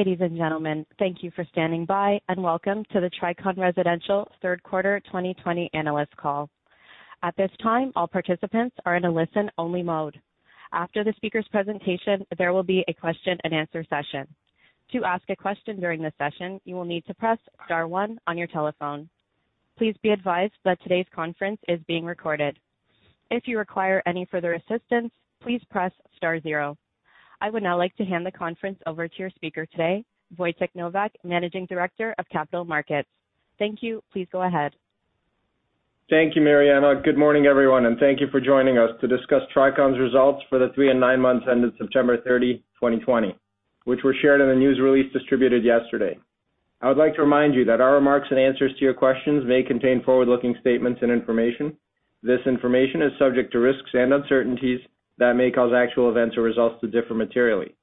Ladies and gentlemen, thank you for standing by and welcome to the Tricon Residential third quarter 2020 analyst call. At this time, all participants are in a listen-only mode. After the speaker's presentation, there will be a question-and-answer session. To ask a question during this session, you will need to press star one on your telephone. Please be advised that today's conference is being recorded. If you require any further assistance, please press star zero. I would now like to hand the conference over to your speaker today, Wojtek Nowak, Managing Director of Capital Markets. Thank you. Please go ahead. Thank you, Marianna. Good morning, everyone, and thank you for joining us to discuss Tricon's results for the three and nine months ended September 30, 2020, which were shared in a news release distributed yesterday. I would like to remind you that our remarks and answers to your questions may contain forward-looking statements and information. This information is subject to risks and uncertainties that may cause actual events or results to differ materially.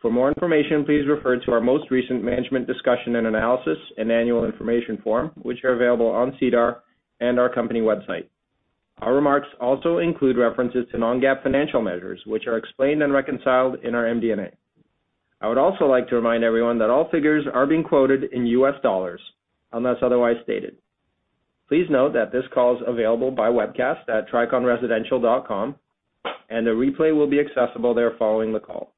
For more information, please refer to our most recent Management Discussion and Analysis and annual information form, which are available on SEDAR and our company website. Our remarks also include references to non-GAAP financial measures, which are explained and reconciled in our MD&A. I would also like to remind everyone that all figures are being quoted in US dollars unless otherwise stated. Please note that this call is available by webcast at triconresidential.com, and the replay will be accessible there following the call.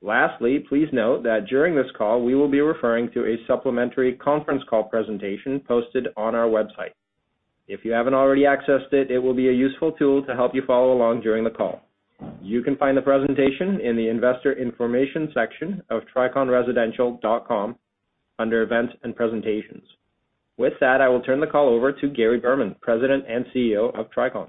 Lastly, please note that during this call, we will be referring to a supplementary conference call presentation posted on our website. If you haven't already accessed it will be a useful tool to help you follow along during the call. You can find the presentation in the investor information section of triconresidential.com under events and presentations. With that, I will turn the call over to Gary Berman, President and CEO of Tricon.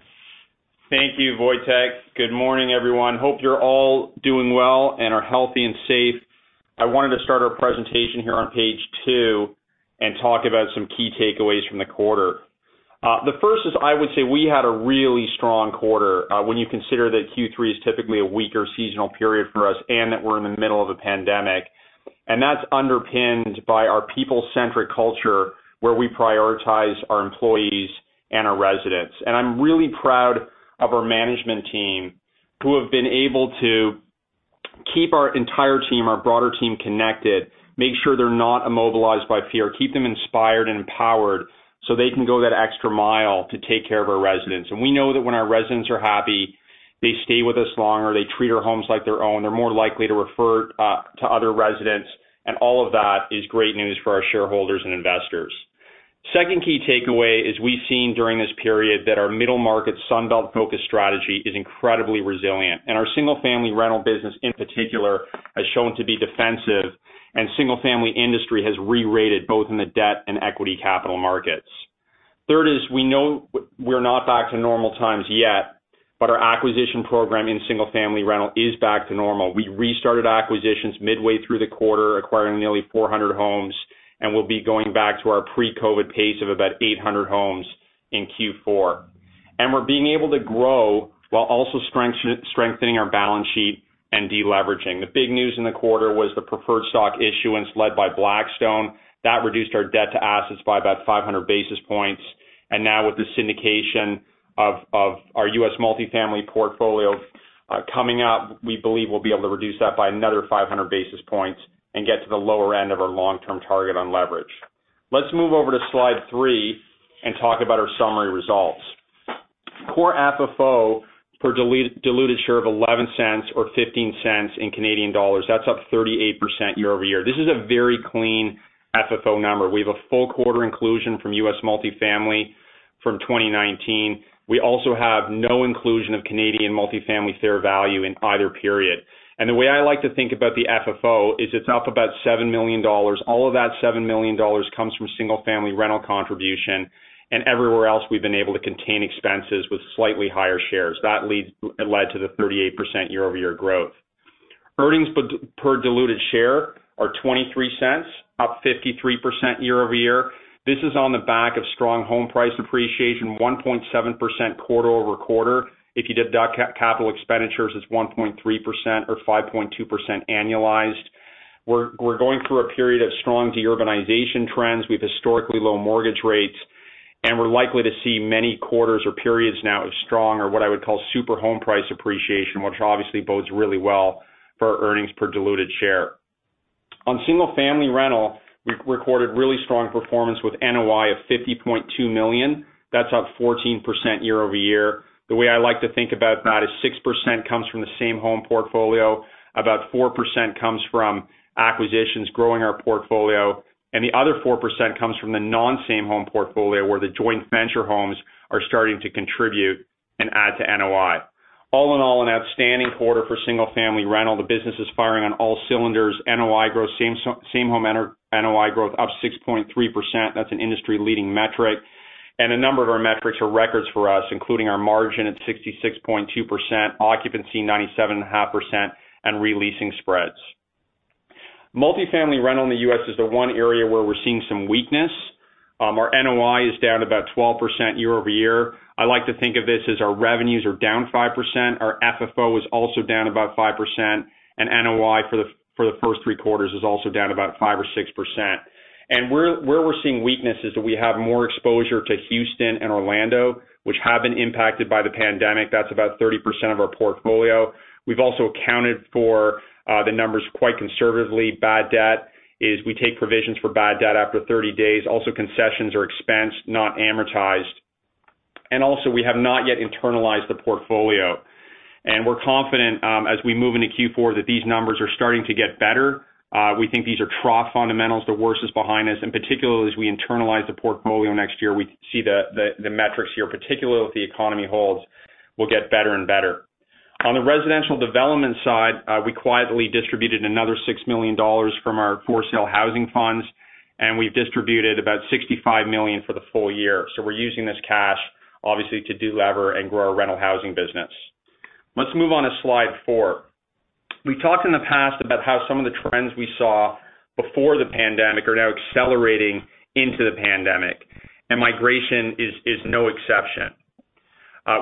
Thank you, Wojtek. Good morning, everyone. Hope you're all doing well and are healthy and safe. I wanted to start our presentation here on page two and talk about some key takeaways from the quarter. The first is I would say we had a really strong quarter, when you consider that Q3 is typically a weaker seasonal period for us and that we're in the middle of a pandemic. That's underpinned by our people-centric culture, where we prioritize our employees and our residents. I'm really proud of our management team, who have been able to keep our entire team, our broader team, connected, make sure they're not immobilized by fear, keep them inspired and empowered so they can go that extra mile to take care of our residents. We know that when our residents are happy, they stay with us longer. They treat our homes like their own. They're more likely to refer to other residents. All of that is great news for our shareholders and investors. Second key takeaway is we've seen during this period that our middle market Sun Belt-focused strategy is incredibly resilient. Our single-family rental business in particular has shown to be defensive. Single-family industry has re-rated both in the debt and equity capital markets. Third is we know we're not back to normal times yet. Our acquisition program in single family rental is back to normal. We restarted acquisitions midway through the quarter, acquiring nearly 400 homes. We'll be going back to our pre-COVID pace of about 800 homes in Q4. We're being able to grow while also strengthening our balance sheet and de-leveraging. The big news in the quarter was the preferred stock issuance led by Blackstone. That reduced our debt to assets by about 500 basis points. Now with the syndication of our U.S. multifamily portfolio coming up, we believe we will be able to reduce that by another 500 basis points and get to the lower end of our long-term target on leverage. Let's move over to slide three and talk about our summary results. Core FFO per diluted share of $0.11 or 0.15. That is up 38% year-over-year. This is a very clean FFO number. We have a full quarter inclusion from U.S. multifamily from 2019. We also have no inclusion of Canadian multifamily fair value in either period. The way I like to think about the FFO is it is up about $7 million. All of that $7 million comes from single-family rental contribution. Everywhere else, we've been able to contain expenses with slightly higher shares. That led to the 38% year-over-year growth. Earnings per diluted share are $0.23, up 53% year-over-year. This is on the back of strong home price appreciation, 1.7% quarter-over-quarter. If you deduct CapEx, it's 1.3% or 5.2% annualized. We're going through a period of strong de-urbanization trends with historically low mortgage rates. We're likely to see many quarters or periods now of strong or what I would call super home price appreciation, which obviously bodes really well for our earnings per diluted share. On single-family rental, we recorded really strong performance with NOI of $50.2 million. That's up 14% year-over-year. The way I like to think about that is 6% comes from the same home portfolio, about 4% comes from acquisitions growing our portfolio, and the other 4% comes from the non-same home portfolio, where the joint venture homes are starting to contribute and add to NOI. All in all, an outstanding quarter for single-family rental. The business is firing on all cylinders. NOI growth, same home NOI growth up 6.3%. That's an industry-leading metric. A number of our metrics are records for us, including our margin at 66.2%, occupancy 97.5%, and re-leasing spreads. Multi-family rental in the U.S. is the one area where we're seeing some weakness. Our NOI is down about 12% year-over-year. I like to think of this as our revenues are down 5%, our FFO is also down about 5%, and NOI for the first three quarters is also down about 5% or 6%. Where we're seeing weakness is that we have more exposure to Houston and Orlando, which have been impacted by the pandemic. That's about 30% of our portfolio. We've also accounted for the numbers quite conservatively. Bad debt is we take provisions for bad debt after 30 days. Also, concessions are expensed, not amortized. Also, we have not yet internalized the portfolio. We're confident as we move into Q4 that these numbers are starting to get better. We think these are trough fundamentals. The worst is behind us, and particularly as we internalize the portfolio next year, we see the metrics here, particularly if the economy holds, will get better and better. On the residential development side, we quietly distributed another $6 million from our for-sale housing funds, and we've distributed about $65 million for the full year. We're using this cash, obviously, to delever and grow our rental housing business. Let's move on to slide four. We talked in the past about how some of the trends we saw before the pandemic are now accelerating into the pandemic, and migration is no exception.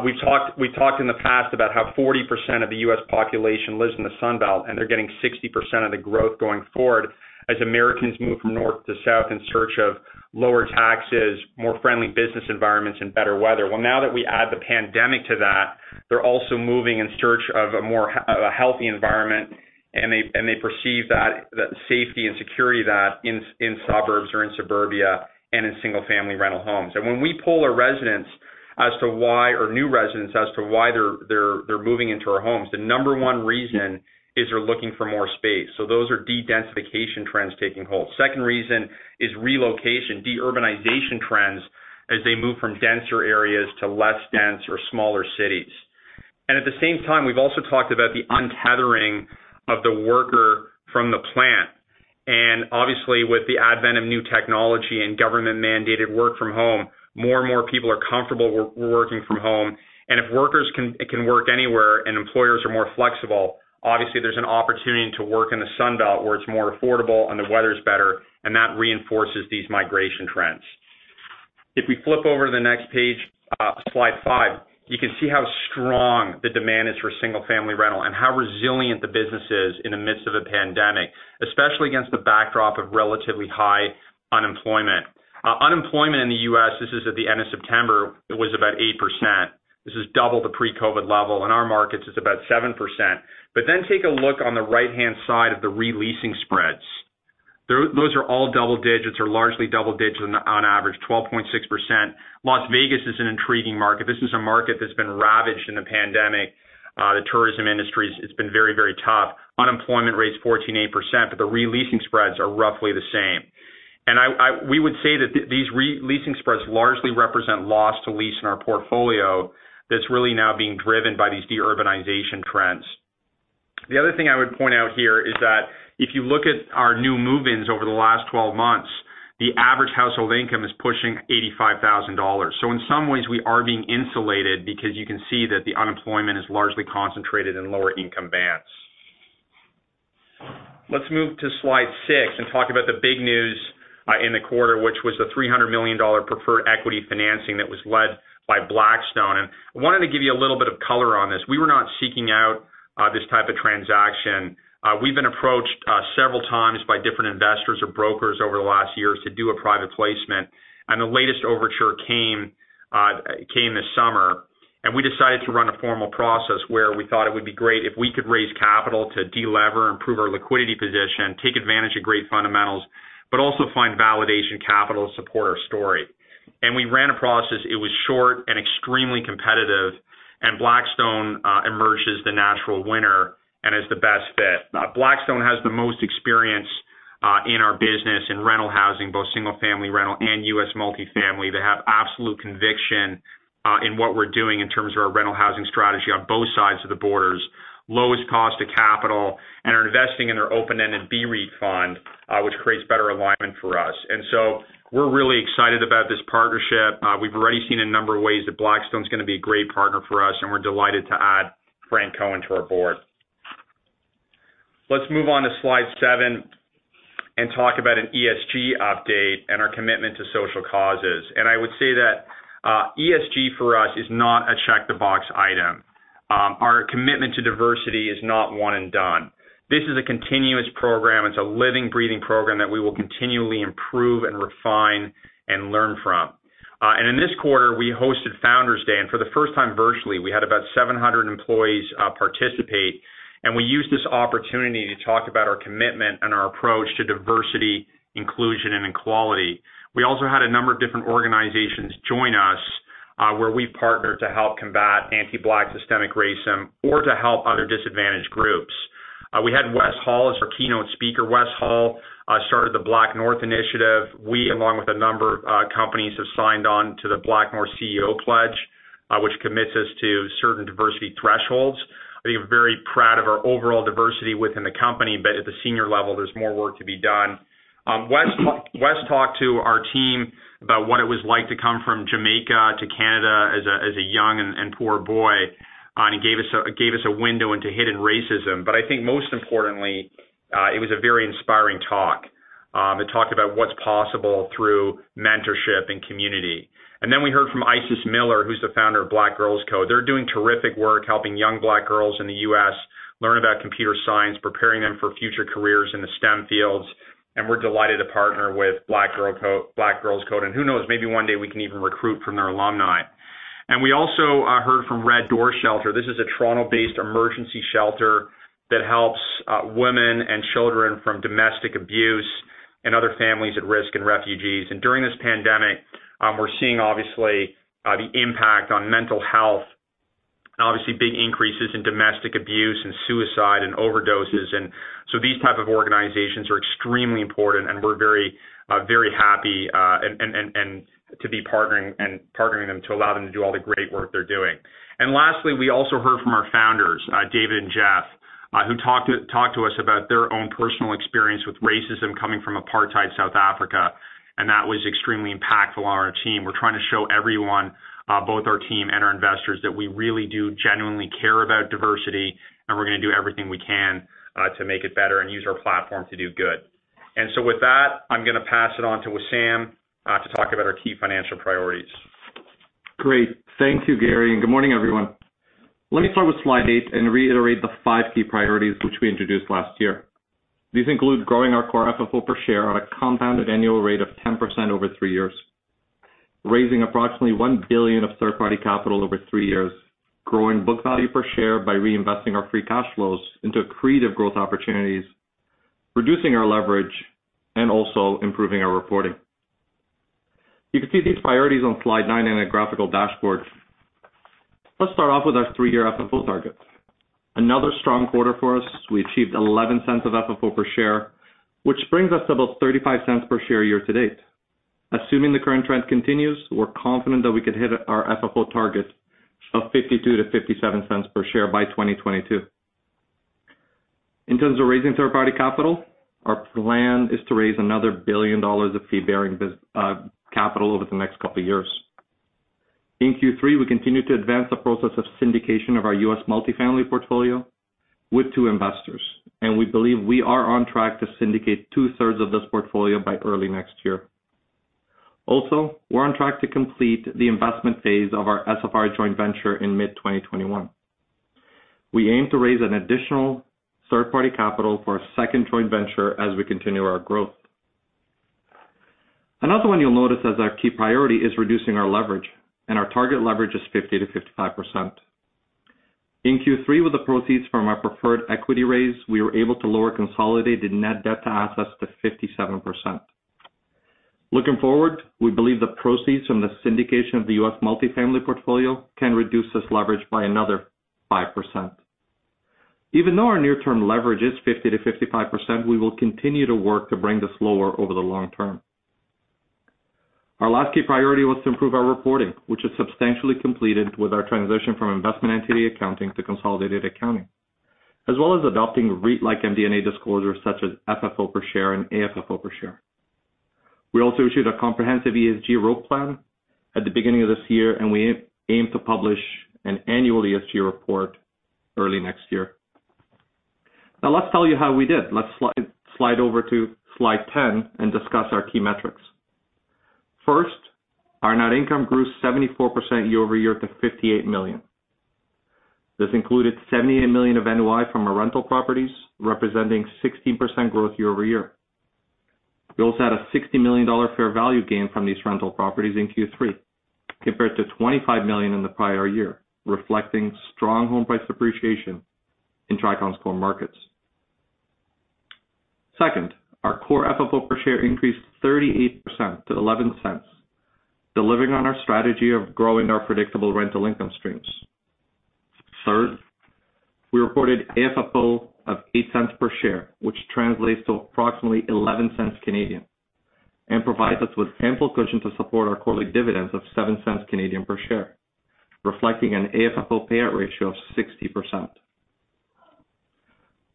We've talked in the past about how 40% of the U.S. population lives in the Sun Belt, and they're getting 60% of the growth going forward as Americans move from north to south in search of lower taxes, more friendly business environments, and better weather. Well, now that we add the pandemic to that, they're also moving in search of a healthy environment, and they perceive the safety and security of that in suburbs or in suburbia and in single-family rental homes. When we poll our residents as to why, or new residents as to why they're moving into our homes, the number one reason is they're looking for more space. Those are de-densification trends taking hold. Second reason is relocation, de-urbanization trends, as they move from denser areas to less dense or smaller cities. At the same time, we've also talked about the untethering of the worker from the plant. Obviously with the advent of new technology and government-mandated work from home, more and more people are comfortable working from home. If workers can work anywhere and employers are more flexible, obviously, there's an opportunity to work in the Sun Belt where it's more affordable and the weather's better, and that reinforces these migration trends. If we flip over to the next page, slide five, you can see how strong the demand is for single-family rental and how resilient the business is in the midst of a pandemic, especially against the backdrop of relatively high unemployment. Unemployment in the U.S., this is at the end of September, it was about 8%. This is double the pre-COVID level. In our markets, it's about 7%. Take a look on the right-hand side of the re-leasing spreads. Those are all double digits or largely double digits on average, 12.6%. Las Vegas is an intriguing market. This is a market that's been ravaged in the pandemic. The tourism industry, it's been very, very tough. Unemployment rate is 14.8%, but the re-leasing spreads are roughly the same. We would say that these re-leasing spreads largely represent loss to lease in our portfolio that's really now being driven by these de-urbanization trends. The other thing I would point out here is that if you look at our new move-ins over the last 12 months, the average household income is pushing $85,000. In some ways, we are being insulated because you can see that the unemployment is largely concentrated in lower income bands. Let's move to slide six and talk about the big news in the quarter, which was the $300 million preferred equity financing that was led by Blackstone. I wanted to give you a little bit of color on this. We were not seeking out this type of transaction. We've been approached several times by different investors or brokers over the last years to do a private placement. The latest overture came this summer. We decided to run a formal process where we thought it would be great if we could raise capital to delever, improve our liquidity position, take advantage of great fundamentals, but also find validation capital to support our story. We ran a process. It was short and extremely competitive. Blackstone emerged as the natural winner and as the best fit. Blackstone has the most experience in our business in rental housing, both single-family rental and U.S. multifamily. They have absolute conviction in what we're doing in terms of our rental housing strategy on both sides of the borders, lowest cost of capital, and are investing in their open-ended BREIT fund, which creates better alignment for us. We're really excited about this partnership. We've already seen a number of ways that Blackstone's going to be a great partner for us, and we're delighted to add Frank Cohen to our board. Let's move on to slide seven and talk about an ESG update and our commitment to social causes. I would say that ESG for us is not a check-the-box item. Our commitment to diversity is not one and done. This is a continuous program. It's a living, breathing program that we will continually improve and refine and learn from. In this quarter, we hosted Founders' Day, and for the first time virtually. We had about 700 employees participate. We used this opportunity to talk about our commitment and our approach to diversity, inclusion, and equality. We also had a number of different organizations join us where we partnered to help combat anti-Black systemic racism or to help other disadvantaged groups. We had Wes Hall as our keynote speaker. Wes Hall started the BlackNorth Initiative. We, along with a number of companies, have signed on to the BlackNorth CEO Pledge, which commits us to certain diversity thresholds. I think we're very proud of our overall diversity within the company, but at the senior level, there's more work to be done. Wes talked to our team about what it was like to come from Jamaica to Canada as a young and poor boy, and he gave us a window into hidden racism, but I think most importantly, it was a very inspiring talk. It talked about what's possible through mentorship and community. Then we heard from Isis Miller, who's the founder of Black Girls CODE. They're doing terrific work helping young Black girls in the U.S. learn about computer science, preparing them for future careers in the STEM fields. We're delighted to partner with Black Girls CODE. Who knows, maybe one day we can even recruit from their alumni. We also heard from Red Door Shelter. This is a Toronto-based emergency shelter that helps women and children from domestic abuse and other families at risk and refugees. During this pandemic, we're seeing obviously the impact on mental health, and obviously big increases in domestic abuse and suicide and overdoses. These type of organizations are extremely important, and we're very happy to be partnering them to allow them to do all the great work they're doing. Lastly, we also heard from our founders, David and Geoff, who talked to us about their own personal experience with racism coming from apartheid South Africa, and that was extremely impactful on our team. We're trying to show everyone, both our team and our investors, that we really do genuinely care about diversity, and we're going to do everything we can to make it better and use our platform to do good. With that, I'm going to pass it on to Wissam to talk about our key financial priorities. Great. Thank you, Gary, good morning, everyone. Let me start with slide eight and reiterate the five key priorities which we introduced last year. These include growing our core FFO per share on a compounded annual rate of 10% over three years, raising approximately $1 billion of third-party capital over three years, growing book value per share by reinvesting our free cash flows into accretive growth opportunities, reducing our leverage, and also improving our reporting. You can see these priorities on slide nine in a graphical dashboard. Let's start off with our three-year FFO targets. Another strong quarter for us, we achieved $0.11 of FFO per share, which brings us above $0.35 per share year to date. Assuming the current trend continues, we're confident that we could hit our FFO targets of $0.52-$0.57 per share by 2022. In terms of raising third-party capital, our plan is to raise another $1 billion of fee-bearing capital over the next couple of years. In Q3, we continued to advance the process of syndication of our U.S. multi-family portfolio with two investors, and we believe we are on track to syndicate two-thirds of this portfolio by early next year. Also, we're on track to complete the investment phase of our SFR joint venture in mid-2021. We aim to raise an additional third-party capital for a second joint venture as we continue our growth. Another one you'll notice as our key priority is reducing our leverage, and our target leverage is 50%-55%. In Q3 with the proceeds from our preferred equity raise, we were able to lower consolidated net debt to assets to 57%. Looking forward, we believe the proceeds from the syndication of the U.S. multifamily portfolio can reduce this leverage by another 5%. Even though our near-term leverage is 50%-55%, we will continue to work to bring this lower over the long term. Our last key priority was to improve our reporting, which is substantially completed with our transition from investment entity accounting to consolidated accounting, as well as adopting REIT-like MD&A disclosures such as FFO per share and AFFO per share. We also issued a comprehensive ESG road plan at the beginning of this year, and we aim to publish an annual ESG report early next year. Now let's tell you how we did. Let's slide over to slide 10 and discuss our key metrics. First, our net income grew 74% year-over-year to $58 million. This included $78 million of NOI from our rental properties, representing 16% growth year-over-year. We also had a $60 million fair value gain from these rental properties in Q3 compared to $25 million in the prior year, reflecting strong home price appreciation in Tricon's core markets. Second, our core FFO per share increased 38% to $0.11, delivering on our strategy of growing our predictable rental income streams. Third, we reported AFFO of $0.08 per share, which translates to approximately 0.11 and provides us with ample cushion to support our quarterly dividends of 0.07 per share, reflecting an AFFO payout ratio of 60%.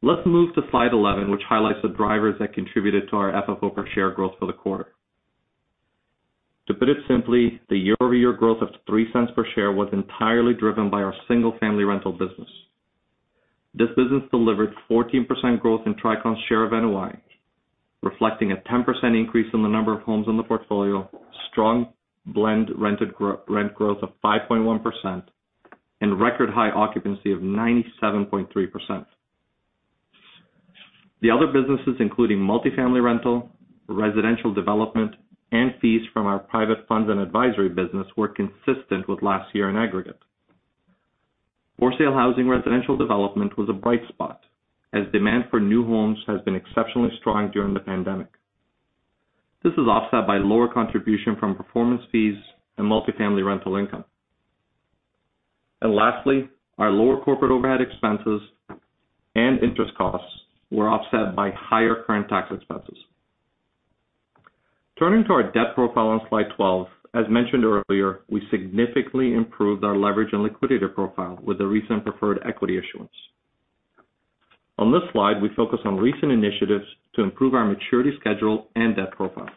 Let's move to slide 11, which highlights the drivers that contributed to our FFO per share growth for the quarter. To put it simply, the year-over-year growth of $0.03 per share was entirely driven by our single-family rental business. This business delivered 14% growth in Tricon's share of NOI, reflecting a 10% increase in the number of homes in the portfolio, strong blend rent growth of 5.1%, and record-high occupancy of 97.3%. The other businesses, including multi-family rental, residential development, and fees from our private funds and advisory business, were consistent with last year in aggregate. For-sale housing residential development was a bright spot, as demand for new homes has been exceptionally strong during the pandemic. This is offset by lower contribution from performance fees and multi-family rental income. Lastly, our lower corporate overhead expenses and interest costs were offset by higher current tax expenses. Turning to our debt profile on slide 12, as mentioned earlier, we significantly improved our leverage and liquidity profile with the recent preferred equity issuance. On this slide, we focus on recent initiatives to improve our maturity schedule and debt profile.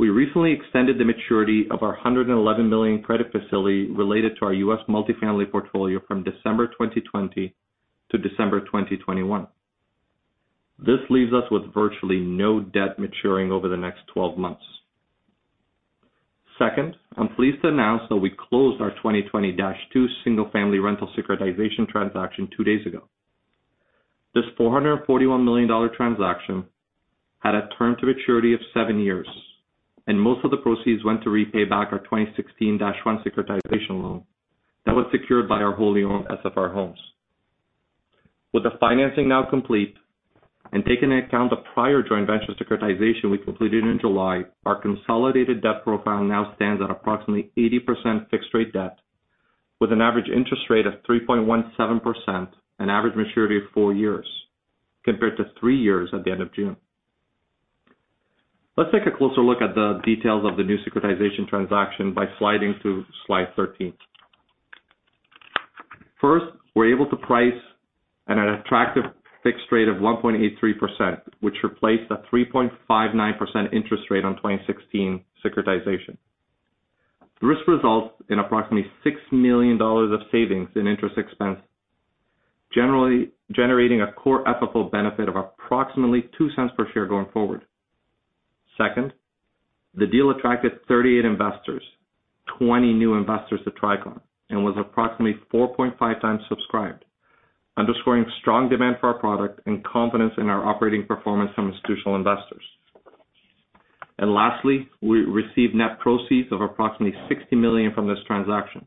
We recently extended the maturity of our $111 million credit facility related to our U.S. multifamily portfolio from December 2020 to December 2021. This leaves us with virtually no debt maturing over the next 12 months. I'm pleased to announce that we closed our 2020-2 single-family rental securitization transaction two days ago. This $441 million transaction had a term to maturity of seven years, and most of the proceeds went to repay back our 2016-1 securitization loan that was secured by our wholly owned SFR homes. With the financing now complete, and taking into account the prior joint venture securitization we completed in July, our consolidated debt profile now stands at approximately 80% fixed-rate debt, with an average interest rate of 3.17% and average maturity of four years, compared to three years at the end of June. Let's take a closer look at the details of the new securitization transaction by sliding to slide 13. First, we're able to price at an attractive fixed rate of 1.83%, which replaced a 3.59% interest rate on 2016 securitization. This results in approximately $6 million of savings in interest expense, generating a core FFO benefit of approximately $0.02 per share going forward. Second, the deal attracted 38 investors, 20 new investors to Tricon, and was approximately 4.5 times subscribed, underscoring strong demand for our product and confidence in our operating performance from institutional investors. Lastly, we received net proceeds of approximately $60 million from this transaction.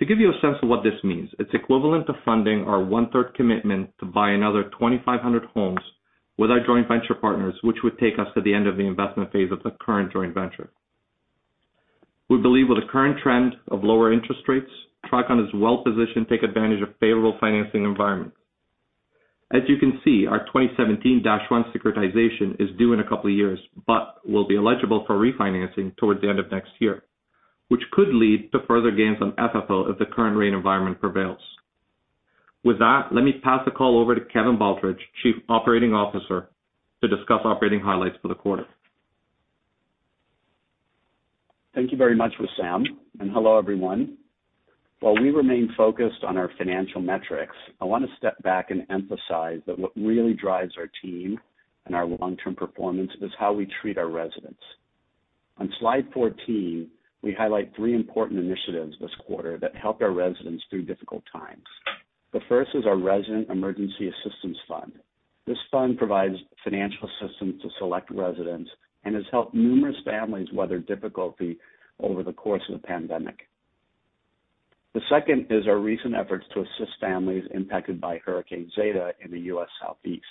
To give you a sense of what this means, it's equivalent to funding our one-third commitment to buy another 2,500 homes with our joint venture partners, which would take us to the end of the investment phase of the current joint venture. We believe with the current trend of lower interest rates, Tricon is well positioned to take advantage of favorable financing environments. As you can see, our 2017-1 securitization is due in a couple of years, but will be eligible for refinancing towards the end of next year, which could lead to further gains on FFO if the current rate environment prevails. With that, let me pass the call over to Kevin Baldridge, Chief Operating Officer, to discuss operating highlights for the quarter. Thank you very much, Wissam, and hello, everyone. While we remain focused on our financial metrics, I want to step back and emphasize that what really drives our team and our long-term performance is how we treat our residents. On slide 14, we highlight three important initiatives this quarter that help our residents through difficult times. The first is our Resident Emergency Assistance Fund. This fund provides financial assistance to select residents and has helped numerous families weather difficulty over the course of the pandemic. The second is our recent efforts to assist families impacted by Hurricane Zeta in the U.S. Southeast.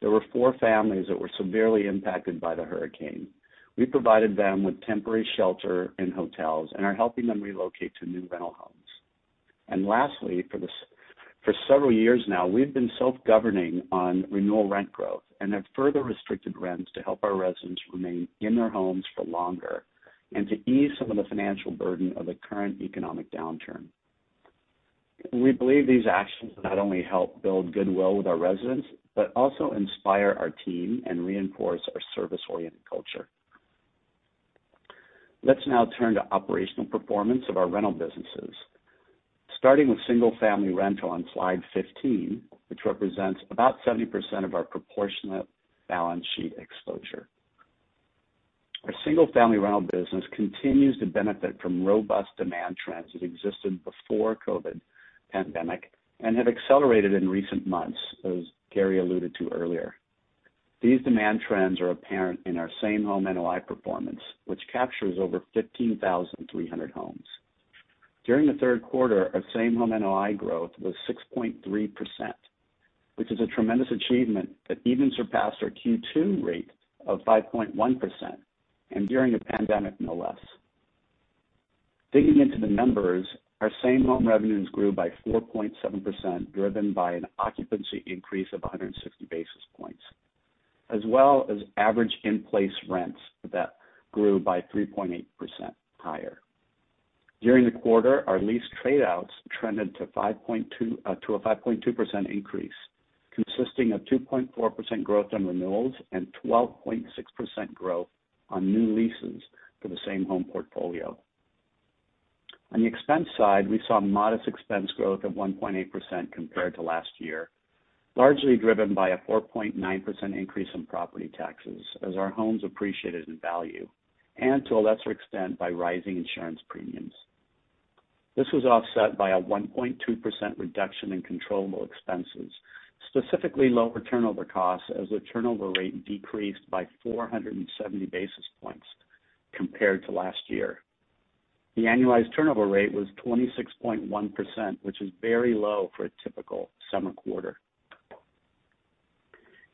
There were four families that were severely impacted by the hurricane. We provided them with temporary shelter in hotels and are helping them relocate to new rental homes. Lastly, for several years now, we've been self-governing on renewal rent growth and have further restricted rents to help our residents remain in their homes for longer and to ease some of the financial burden of the current economic downturn. We believe these actions not only help build goodwill with our residents, but also inspire our team and reinforce our service-oriented culture. Let's now turn to operational performance of our rental businesses. Starting with single-family rental on slide 15, which represents about 70% of our proportionate balance sheet exposure. Our single-family rental business continues to benefit from robust demand trends that existed before COVID pandemic and have accelerated in recent months, as Gary alluded to earlier. These demand trends are apparent in our same-home NOI performance, which captures over 15,300 homes. During the third quarter, our same-home NOI growth was 6.3%, which is a tremendous achievement that even surpassed our Q2 rate of 5.1%, and during a pandemic, no less. Digging into the numbers, our same-home revenues grew by 4.7%, driven by an occupancy increase of 160 basis points, as well as average in-place rents that grew by 3.8% higher. During the quarter, our lease trade-outs trended to a 5.2% increase, consisting of 2.4% growth on renewals and 12.6% growth on new leases for the same-home portfolio. On the expense side, we saw modest expense growth of 1.8% compared to last year, largely driven by a 4.9% increase in property taxes as our homes appreciated in value, and to a lesser extent, by rising insurance premiums. This was offset by a 1.2% reduction in controllable expenses, specifically lower turnover costs as the turnover rate decreased by 470 basis points compared to last year. The annualized turnover rate was 26.1%, which is very low for a typical summer quarter.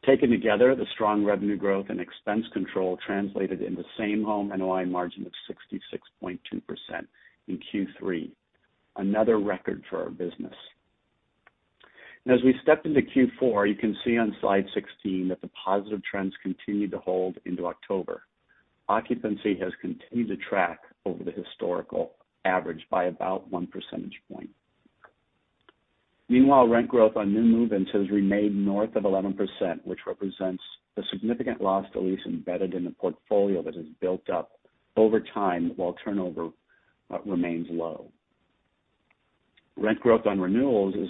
Taken together, the strong revenue growth and expense control translated into same home NOI margin of 66.2% in Q3, another record for our business. As we step into Q4, you can see on slide 16 that the positive trends continued to hold into October. Occupancy has continued to track over the historical average by about 1 percentage point. Meanwhile, rent growth on new move-ins has remained north of 11%, which represents the significant loss to lease embedded in the portfolio that has built up over time while turnover remains low. Rent growth on renewals is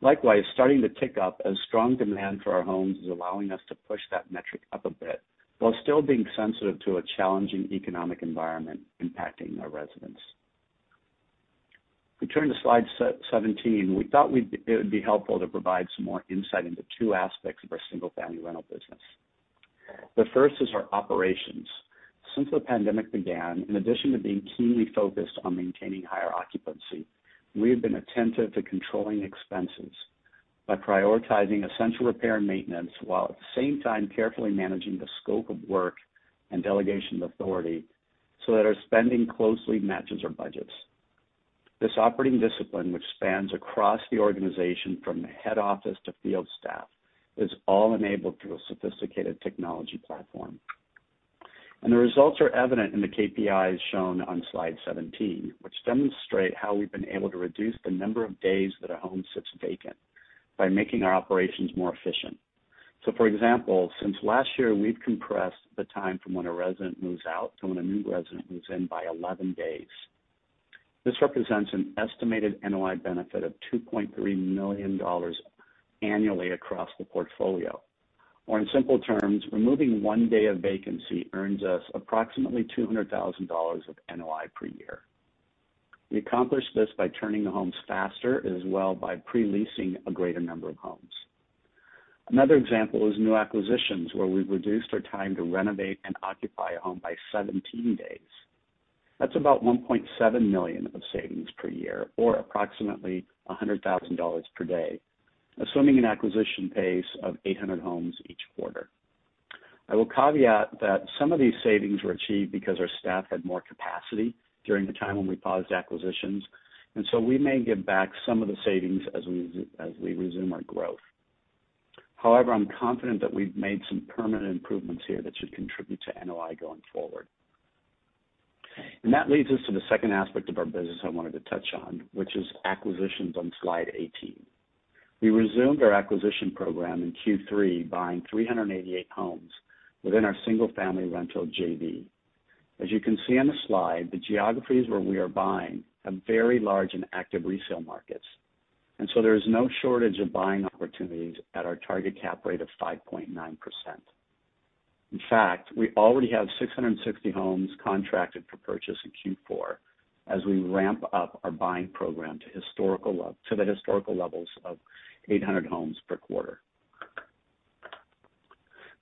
likewise starting to tick up as strong demand for our homes is allowing us to push that metric up a bit while still being sensitive to a challenging economic environment impacting our residents. If we turn to slide 17, we thought it would be helpful to provide some more insight into two aspects of our single-family rental business. The first is our operations. Since the pandemic began, in addition to being keenly focused on maintaining higher occupancy, we have been attentive to controlling expenses by prioritizing essential repair and maintenance while at the same time carefully managing the scope of work and delegation of authority so that our spending closely matches our budgets. This operating discipline, which spans across the organization from the head office to field staff, is all enabled through a sophisticated technology platform. The results are evident in the KPIs shown on slide 17, which demonstrate how we've been able to reduce the number of days that a home sits vacant by making our operations more efficient. For example, since last year, we've compressed the time from when a resident moves out to when a new resident moves in by 11 days. This represents an estimated NOI benefit of $2.3 million annually across the portfolio. In simple terms, removing one day of vacancy earns us approximately $200,000 of NOI per year. We accomplished this by turning the homes faster, as well by pre-leasing a greater number of homes. Another example is new acquisitions, where we've reduced our time to renovate and occupy a home by 17 days. That's about $1.7 million of savings per year, or approximately $100,000 per day, assuming an acquisition pace of 800 homes each quarter. I will caveat that some of these savings were achieved because our staff had more capacity during the time when we paused acquisitions, so we may give back some of the savings as we resume our growth. I'm confident that we've made some permanent improvements here that should contribute to NOI going forward. That leads us to the second aspect of our business I wanted to touch on, which is acquisitions on slide 18. We resumed our acquisition program in Q3, buying 388 homes within our single-family rental JV. As you can see on the slide, the geographies where we are buying have very large and active resale markets, so there is no shortage of buying opportunities at our target cap rate of 5.9%. In fact, we already have 660 homes contracted for purchase in Q4 as we ramp up our buying program to the historical levels of 800 homes per quarter.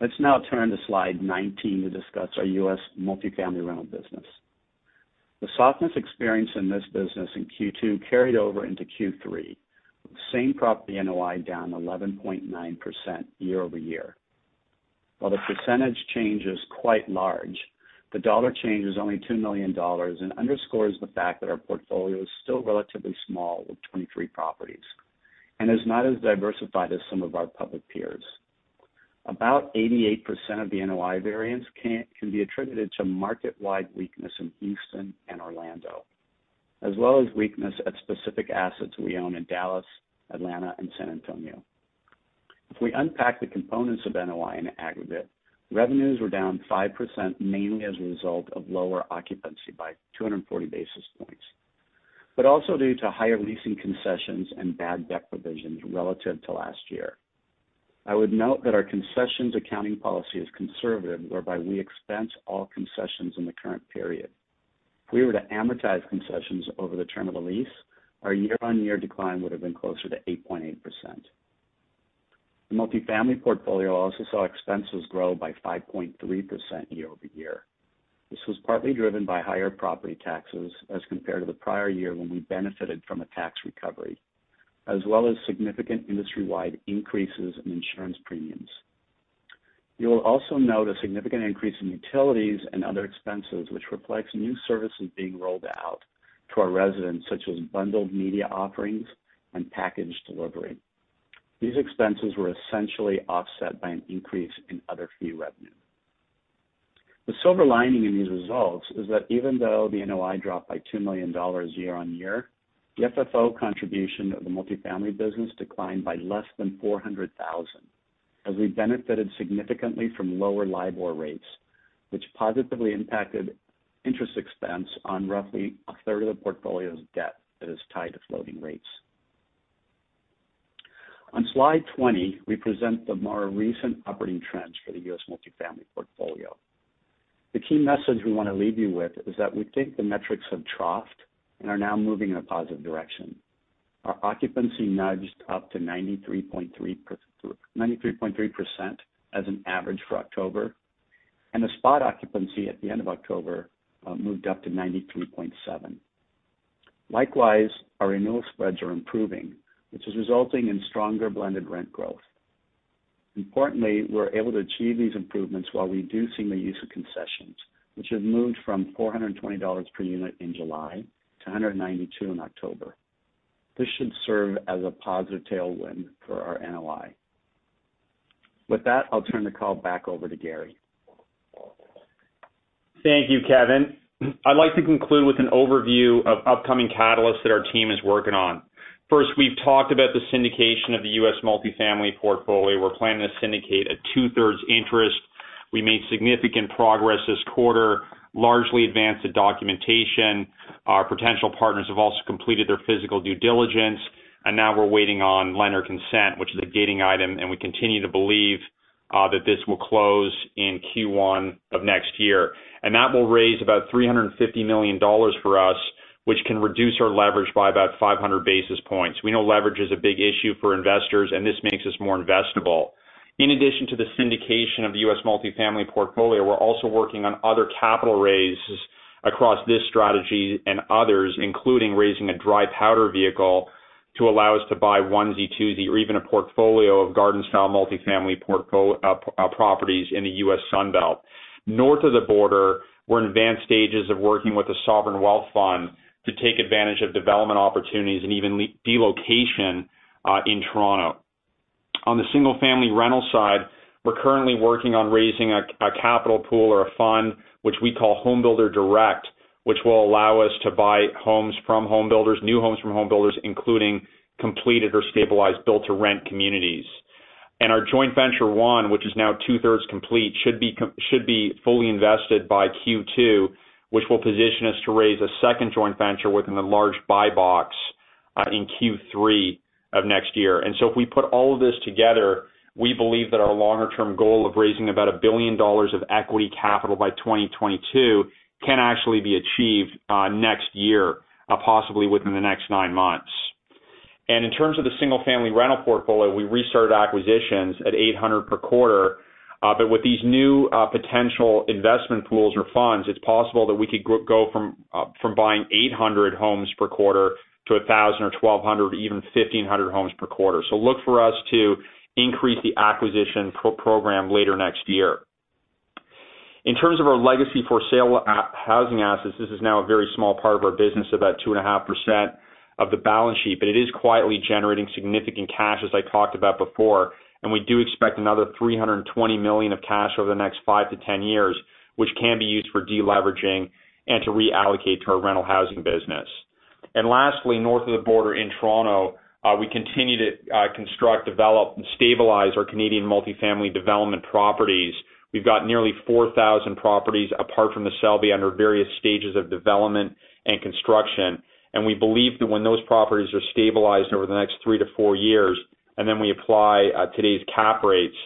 Let's now turn to slide 19 to discuss our U.S. multifamily rental business. The softness experienced in this business in Q2 carried over into Q3, with the same property NOI down 11.9% year-over-year. While the percentage change is quite large, the dollar change is only $2 million and underscores the fact that our portfolio is still relatively small with 23 properties and is not as diversified as some of our public peers. About 88% of the NOI variance can be attributed to market-wide weakness in Houston and Orlando, as well as weakness at specific assets we own in Dallas, Atlanta, and San Antonio. If we unpack the components of NOI in aggregate, revenues were down 5%, mainly as a result of lower occupancy by 240 basis points, but also due to higher leasing concessions and bad debt provisions relative to last year. I would note that our concessions accounting policy is conservative, whereby we expense all concessions in the current period. If we were to amortize concessions over the term of the lease, our year-on-year decline would've been closer to 8.8%. The multifamily portfolio also saw expenses grow by 5.3% year-over-year. This was partly driven by higher property taxes as compared to the prior year when we benefited from a tax recovery, as well as significant industry-wide increases in insurance premiums. You will also note a significant increase in utilities and other expenses, which reflects new services being rolled out to our residents, such as bundled media offerings and package delivery. These expenses were essentially offset by an increase in other fee revenue. The silver lining in these results is that even though the NOI dropped by $2 million year-over-year, the FFO contribution of the multifamily business declined by less than $400,000, as we benefited significantly from lower LIBOR rates, which positively impacted interest expense on roughly a third of the portfolio's debt that is tied to floating rates. On slide 20, we present the more recent operating trends for the U.S. multifamily portfolio. The key message we want to leave you with is that we think the metrics have troughed and are now moving in a positive direction. Our occupancy nudged up to 93.3% as an average for October, and the spot occupancy at the end of October moved up to 93.7%. Likewise, our renewal spreads are improving, which is resulting in stronger blended rent growth. We're able to achieve these improvements while reducing the use of concessions, which have moved from $420 per unit in July to $192 in October. This should serve as a positive tailwind for our NOI. With that, I'll turn the call back over to Gary. Thank you, Kevin. I'd like to conclude with an overview of upcoming catalysts that our team is working on. First, we've talked about the syndication of the U.S. multi-family portfolio. We're planning to syndicate a two-thirds interest. We made significant progress this quarter, largely advanced the documentation. Our potential partners have also completed their physical due diligence, now we're waiting on lender consent, which is a gating item, and we continue to believe that this will close in Q1 of next year. That will raise about $350 million for us, which can reduce our leverage by about 500 basis points. We know leverage is a big issue for investors, and this makes us more investable. In addition to the syndication of the U.S. multi-family portfolio, we're also working on other capital raises across this strategy and others, including raising a dry powder vehicle to allow us to buy onesie-twosie or even a portfolio of garden-style multi-family properties in the U.S. Sun Belt. North of the border, we're in advanced stages of working with the Sovereign Wealth Fund to take advantage of development opportunities and even relocation in Toronto. On the single-family rental side, we're currently working on raising a capital pool or a fund, which we call Home Builder Direct, which will allow us to buy homes from home builders, new homes from home builders, including completed or stabilized build-to-rent communities. Our joint venture one, which is now two-thirds complete, should be fully invested by Q2, which will position us to raise a second joint venture with an enlarged buy box in Q3 of next year. If we put all of this together, we believe that our longer-term goal of raising about $1 billion of equity capital by 2022 can actually be achieved next year, possibly within the next nine months. In terms of the single-family rental portfolio, we restarted acquisitions at 800 per quarter. With these new potential investment pools or funds, it's possible that we could go from buying 800 homes per quarter to 1,000 or 1,200 or even 1,500 homes per quarter. Look for us to increase the acquisition program later next year. In terms of our legacy for sale housing assets, this is now a very small part of our business, about 2.5% of the balance sheet, but it is quietly generating significant cash, as I talked about before, we do expect another $320 million of cash over the next 5-10 years, which can be used for de-leveraging and to reallocate to our rental housing business. Lastly, north of the border in Toronto, we continue to construct, develop, and stabilize our Canadian multi-family development properties. We've got nearly 4,000 properties apart from The Selby under various stages of development and construction. We believe that when those properties are stabilized over the next three to four years, and then we apply today's cap rates,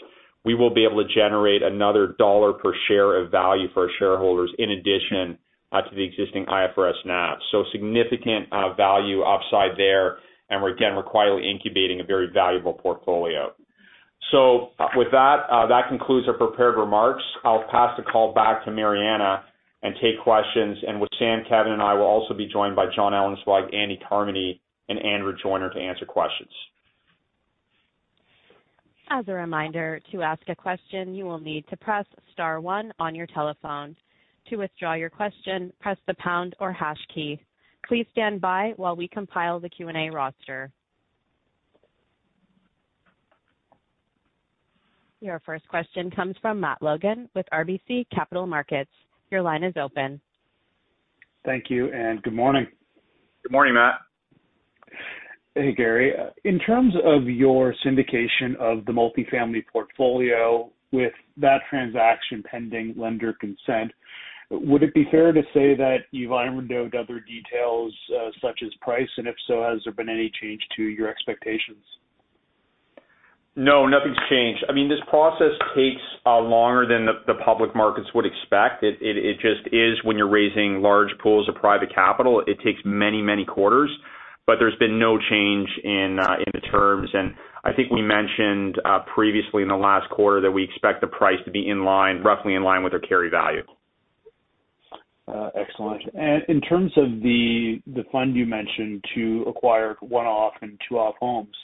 we will be able to generate another $1 per share of value for our shareholders in addition to the existing IFRS NAV. Significant value upside there, and again, we're quietly incubating a very valuable portfolio. With that concludes our prepared remarks. I'll pass the call back to Mariana and take questions. Wissam, Kevin, and I will also be joined by Jonathan Ellenzweig, Andy Carmody, and Andrew Joyner to answer questions. As a reminder, to ask a question, you will need to press star one on your telephone. To withdraw your question, press the pound or hash key. Please stand by while we compile the Q&A roster. Your first question comes from Matt Logan with RBC Capital Markets. Your line is open. Thank you, and good morning. Good morning, Matt. Hey, Gary. In terms of your syndication of the multifamily portfolio with that transaction pending lender consent, would it be fair to say that you've ironed out other details such as price? If so, has there been any change to your expectations? No, nothing's changed. This process takes longer than the public markets would expect. It just is when you're raising large pools of private capital. It takes many, many quarters. There's been no change in the terms. I think we mentioned previously in the last quarter that we expect the price to be roughly in line with our carry value. Excellent. In terms of the fund you mentioned to acquire one-off and two-off homes,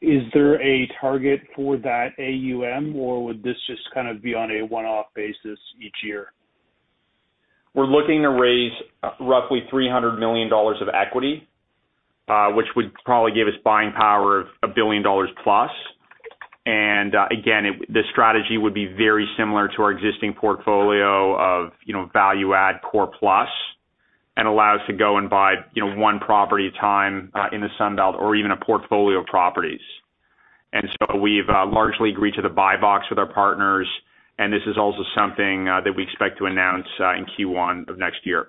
is there a target for that AUM, or would this just kind of be on a one-off basis each year? We're looking to raise roughly $300 million of equity, which would probably give us buying power of $1+ billion. Again, the strategy would be very similar to our existing portfolio of value-add core-plus and allow us to go and buy one property at a time in the Sun Belt or even a portfolio of properties. We've largely agreed to the buy box with our partners, and this is also something that we expect to announce in Q1 of next year.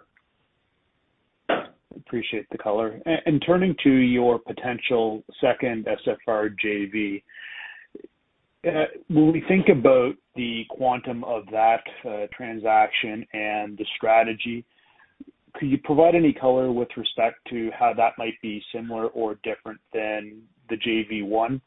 Appreciate the color. Turning to your potential second SFR JV, when we think about the quantum of that transaction and the strategy, could you provide any color with respect to how that might be similar or different than the JV one?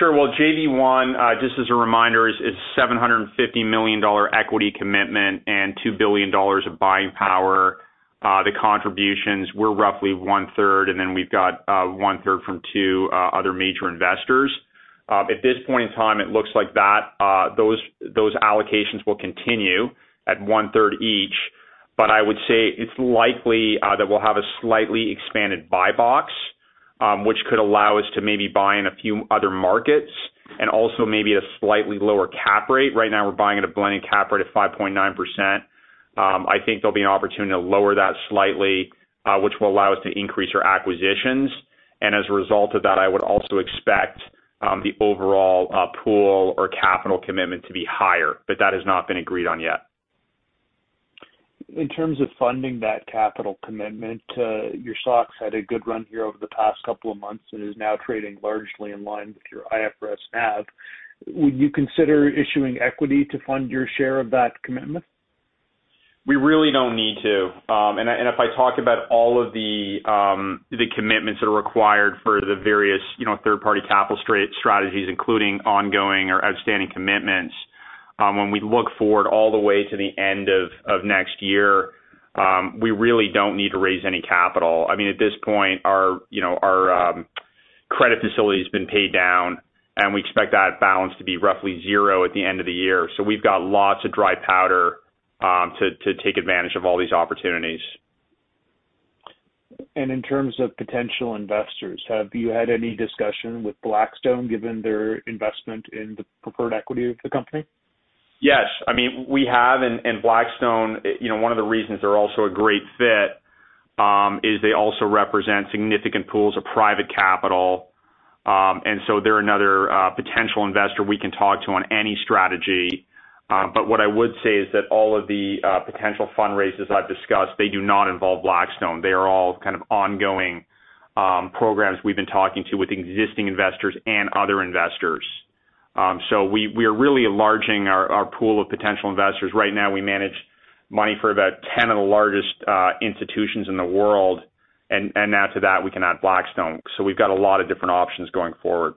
Sure. Well, JV 1, just as a reminder, is $750 million equity commitment and $2 billion of buying power. The contributions were roughly one-third, and then we've got one-third from two other major investors. At this point in time, it looks like those allocations will continue at one-third each. I would say it's likely that we'll have a slightly expanded buy box, which could allow us to maybe buy in a few other markets and also maybe at a slightly lower cap rate. Right now, we're buying at a blended cap rate of 5.9%. I think there'll be an opportunity to lower that slightly, which will allow us to increase our acquisitions. As a result of that, I would also expect the overall pool or capital commitment to be higher, but that has not been agreed on yet. In terms of funding that capital commitment, your stocks had a good run here over the past couple of months and is now trading largely in line with your IFRS NAV. Would you consider issuing equity to fund your share of that commitment? We really don't need to. If I talk about all of the commitments that are required for the various third-party capital strategies, including ongoing or outstanding commitments, when we look forward all the way to the end of next year, we really don't need to raise any capital. I mean, at this point, our credit facility's been paid down, and we expect that balance to be roughly zero at the end of the year. We've got lots of dry powder to take advantage of all these opportunities. In terms of potential investors, have you had any discussion with Blackstone, given their investment in the preferred equity of the company? Yes. We have. Blackstone, one of the reasons they're also a great fit, is they also represent significant pools of private capital. They're another potential investor we can talk to on any strategy. What I would say is that all of the potential fundraisers I've discussed, they do not involve Blackstone. They are all kind of ongoing programs we've been talking to with existing investors and other investors. We are really enlarging our pool of potential investors. Right now, we manage money for about 10 of the largest institutions in the world, and now to that, we can add Blackstone. We've got a lot of different options going forward.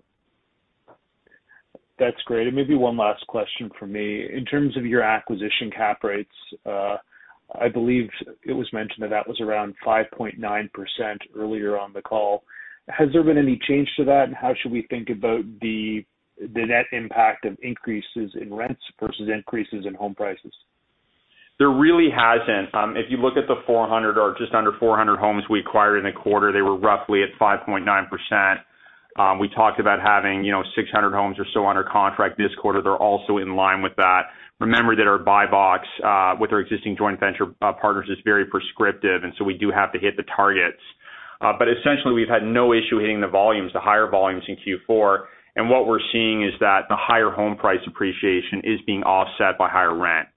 That's great. Maybe one last question from me. In terms of your acquisition cap rates, I believe it was mentioned that that was around 5.9% earlier on the call. Has there been any change to that? How should we think about the net impact of increases in rents versus increases in home prices? There really hasn't. If you look at the 400 or just under 400 homes we acquired in a quarter, they were roughly at 5.9%. We talked about having 600 homes or so under contract this quarter. They're also in line with that. Remember that our buy box with our existing joint venture partners is very prescriptive, and so we do have to hit the targets. Essentially, we've had no issue hitting the volumes, the higher volumes in Q4. What we're seeing is that the higher home price appreciation is being offset by higher rent.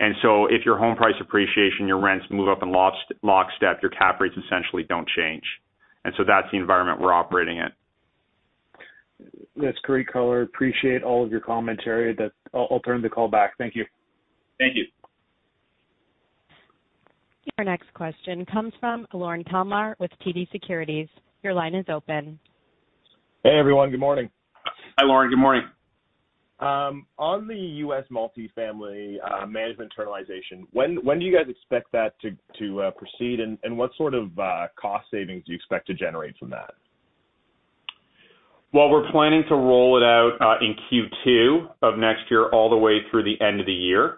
If your home price appreciation, your rents move up in lockstep, your cap rates essentially don't change. That's the environment we're operating in. That's great color. Appreciate all of your commentary. I'll turn the call back. Thank you. Thank you. Your next question comes from with TD Securities. Your line is open. Hey, everyone. Good morning. Hi, Lorne. Good morning. On the U.S. multifamily management internalization, when do you guys expect that to proceed, and what sort of cost savings do you expect to generate from that? Well, we're planning to roll it out in Q2 of next year all the way through the end of the year.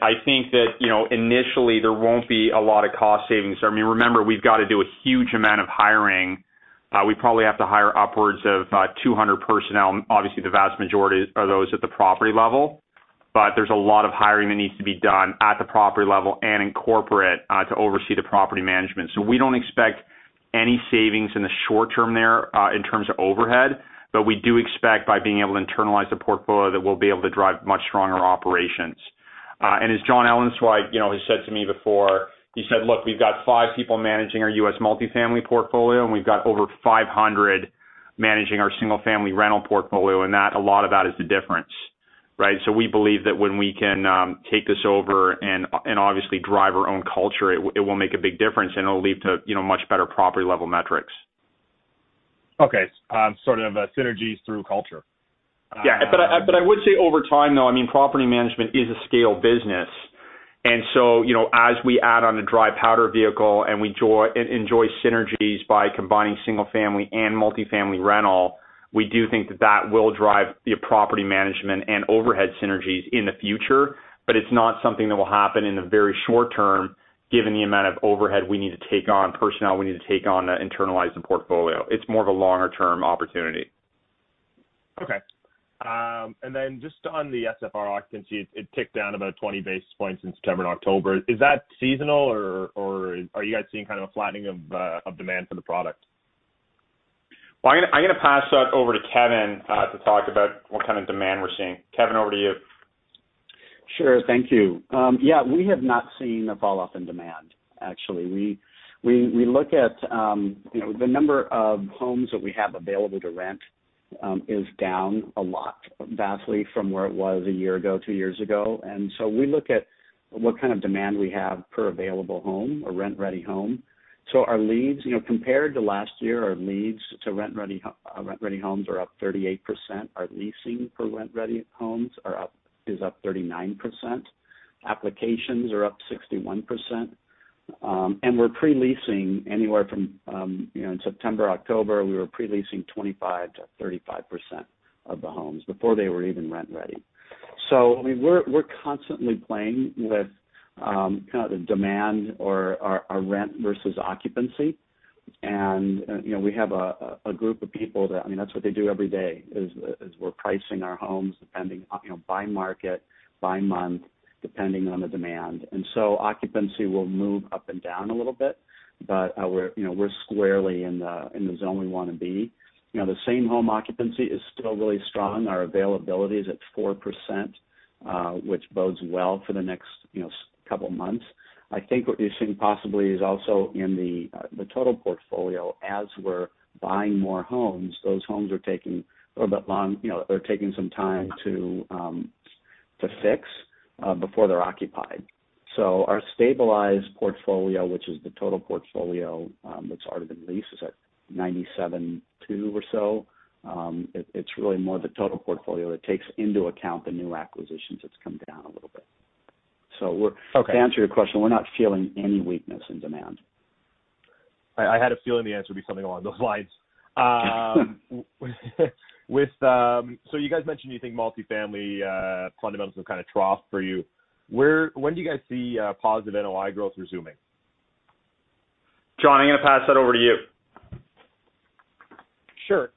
I think that initially there won't be a lot of cost savings. Remember, we've got to do a huge amount of hiring. We probably have to hire upwards of 200 personnel. Obviously, the vast majority are those at the property level, there's a lot of hiring that needs to be done at the property level and in corporate to oversee the property management. We don't expect any savings in the short term there in terms of overhead, we do expect by being able to internalize the portfolio that we'll be able to drive much stronger operations. As John Ellenzweig has said to me before, he said, Look, we've got five people managing our U.S. multifamily portfolio, and we've got over 500 managing our single-family rental portfolio. A lot of that is the difference, right? We believe that when we can take this over and obviously drive our own culture, it will make a big difference, and it'll lead to much better property-level metrics. Okay. Sort of synergies through culture. Yeah. I would say over time, though, property management is a scale business. As we add on the dry powder vehicle and we enjoy synergies by combining single-family and multifamily rental, we do think that that will drive the property management and overhead synergies in the future. It's not something that will happen in the very short term, given the amount of overhead we need to take on, personnel we need to take on to internalize the portfolio. It's more of a longer-term opportunity. Okay. Just on the SFR occupancy, it ticked down about 20 basis points in September and October. Is that seasonal, or are you guys seeing kind of a flattening of demand for the product? I'm going to pass that over to Kevin to talk about what kind of demand we're seeing. Kevin, over to you. Sure. Thank you. We have not seen a fall-off in demand, actually. The number of homes that we have available to rent is down a lot, vastly from where it was a year ago, two years ago. We look at what kind of demand we have per available home or rent-ready home. Our leads, compared to last year, our leads to rent-ready homes are up 38%. Our leasing for rent-ready homes is up 39%. Applications are up 61%. We're pre-leasing anywhere from September, October, we were pre-leasing 25%-35% of the homes before they were even rent-ready. We're constantly playing with kind of the demand or our rent versus occupancy. We have a group of people that, I mean, that's what they do every day is we're pricing our homes depending by market, by month, depending on the demand. Occupancy will move up and down a little bit, but we're squarely in the zone we want to be. The same home occupancy is still really strong. Our availability is at 4%, which bodes well for the next couple of months. I think what you're seeing possibly is also in the total portfolio, as we're buying more homes, those homes are taking a little bit long. They're taking some time to fix before they're occupied. Our stabilized portfolio, which is the total portfolio that's already been leased, is at 97.2 or so. It's really more the total portfolio that takes into account the new acquisitions that's come down a little bit. Okay. To answer your question, we're not feeling any weakness in demand. I had a feeling the answer would be something along those lines. You guys mentioned you think multi-family fundamentals have kind of troughed for you. When do you guys see positive NOI growth resuming? John, I'm going to pass that over to you. Sure.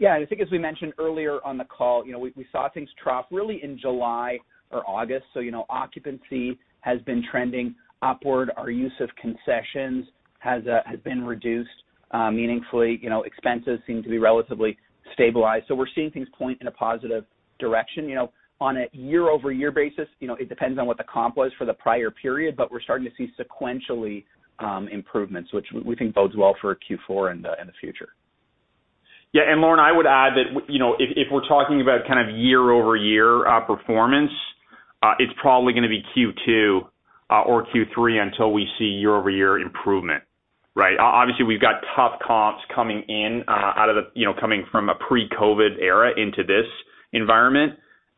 Yeah, I think as we mentioned earlier on the call, we saw things trough really in July or August. Occupancy has been trending upward. Our use of concessions has been reduced meaningfully. Expenses seem to be relatively stabilized. We're seeing things point in a positive direction. On a year-over-year basis, it depends on what the comp was for the prior period, but we're starting to see sequentially improvements, which we think bodes well for Q4 in the future. Yeah. Lorne, I would add that if we're talking about kind of year-over-year performance, it's probably going to be Q2 or Q3 until we see year-over-year improvement. Right? Obviously, we've got tough comps coming from a pre-COVID era into this environment.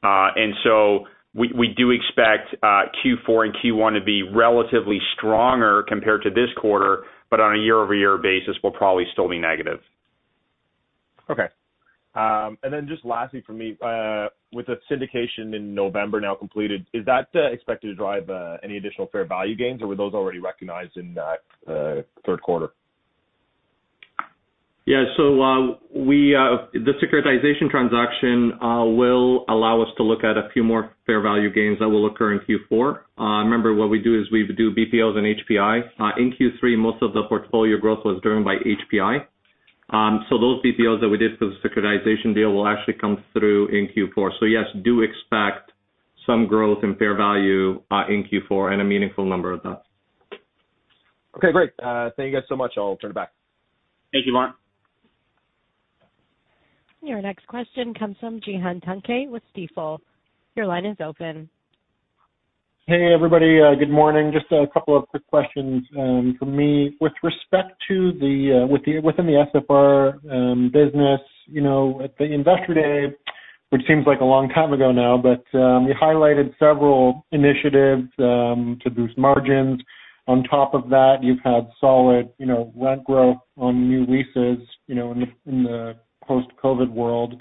We do expect Q4 and Q1 to be relatively stronger compared to this quarter, but on a year-over-year basis, we'll probably still be negative. Okay. Just lastly from me, with the syndication in November now completed, is that expected to drive any additional fair value gains, or were those already recognized in that third quarter? Yeah. The securitization transaction will allow us to look at a few more fair value gains that will occur in Q4. Remember, what we do is we do BPOs and HPI. In Q3, most of the portfolio growth was driven by HPI. Those BPOs that we did for the securitization deal will actually come through in Q4. Yes, do expect some growth in fair value in Q4 and a meaningful number of that. Okay, great. Thank you guys so much. I'll turn it back. Thank you, Mark. Your next question comes from with Stifel. Your line is open. Hey, everybody. Good morning. Just a couple of quick questions from me. With respect to within the SFR business, at the Investor Day, which seems like a long time ago now, but you highlighted several initiatives to boost margins. On top of that, you've had solid rent growth on new leases in the post-COVID world.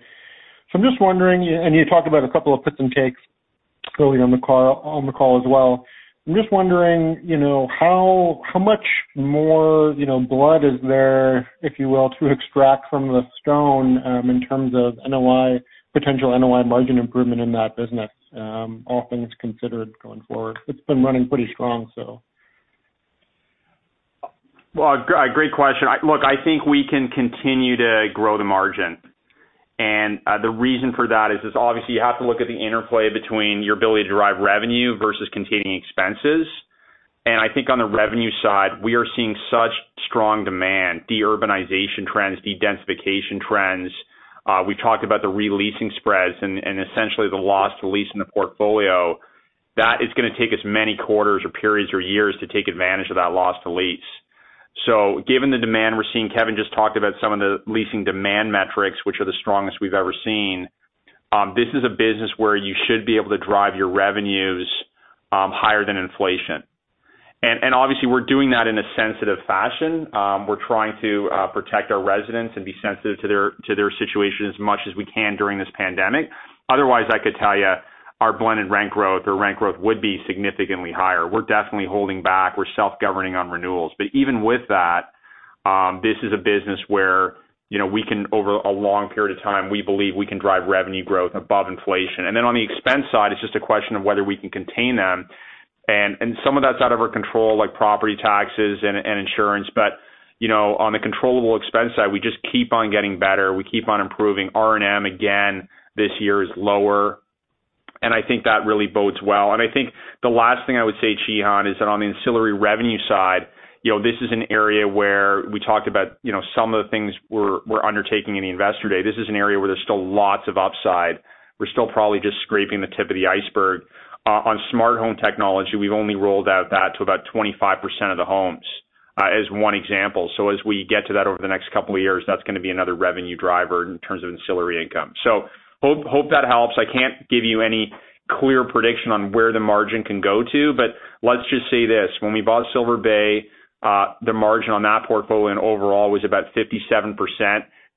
I'm just wondering, and you talked about a couple of puts and takes early on the call as well. I'm just wondering, how much more blood is there, if you will, to extract from the stone in terms of potential NOI margin improvement in that business, all things considered going forward? It's been running pretty strong. Well, great question. Look, I think we can continue to grow the margin. The reason for that is obviously you have to look at the interplay between your ability to drive revenue versus containing expenses. I think on the revenue side, we are seeing such strong demand, de-urbanization trends, de-densification trends. We talked about the re-leasing spreads and essentially the loss to lease in the portfolio. That is going to take us many quarters or periods or years to take advantage of that loss to lease. Given the demand we're seeing, Kevin just talked about some of the leasing demand metrics, which are the strongest we've ever seen. This is a business where you should be able to drive your revenues higher than inflation. Obviously, we're doing that in a sensitive fashion. We're trying to protect our residents and be sensitive to their situation as much as we can during this pandemic. Otherwise, I could tell you our blended rent growth or rent growth would be significantly higher. We're definitely holding back. We're self-governing on renewals. Even with that, this is a business where over a long period of time, we believe we can drive revenue growth above inflation. On the expense side, it's just a question of whether we can contain them. Some of that's out of our control, like property taxes and insurance. On the controllable expense side, we just keep on getting better. We keep on improving. R&M, again, this year is lower, and I think that really bodes well. I think the last thing I would say, Stephen, is that on the ancillary revenue side, this is an area where we talked about some of the things we're undertaking in the Investor Day. This is an area where there's still lots of upside. We're still probably just scraping the tip of the iceberg. On smart home technology, we've only rolled out that to about 25% of the homes, as one example. As we get to that over the next couple of years, that's going to be another revenue driver in terms of ancillary income. Hope that helps. I can't give you any clear prediction on where the margin can go to, let's just say this. When we bought Silver Bay, the margin on that portfolio and overall was about 57%.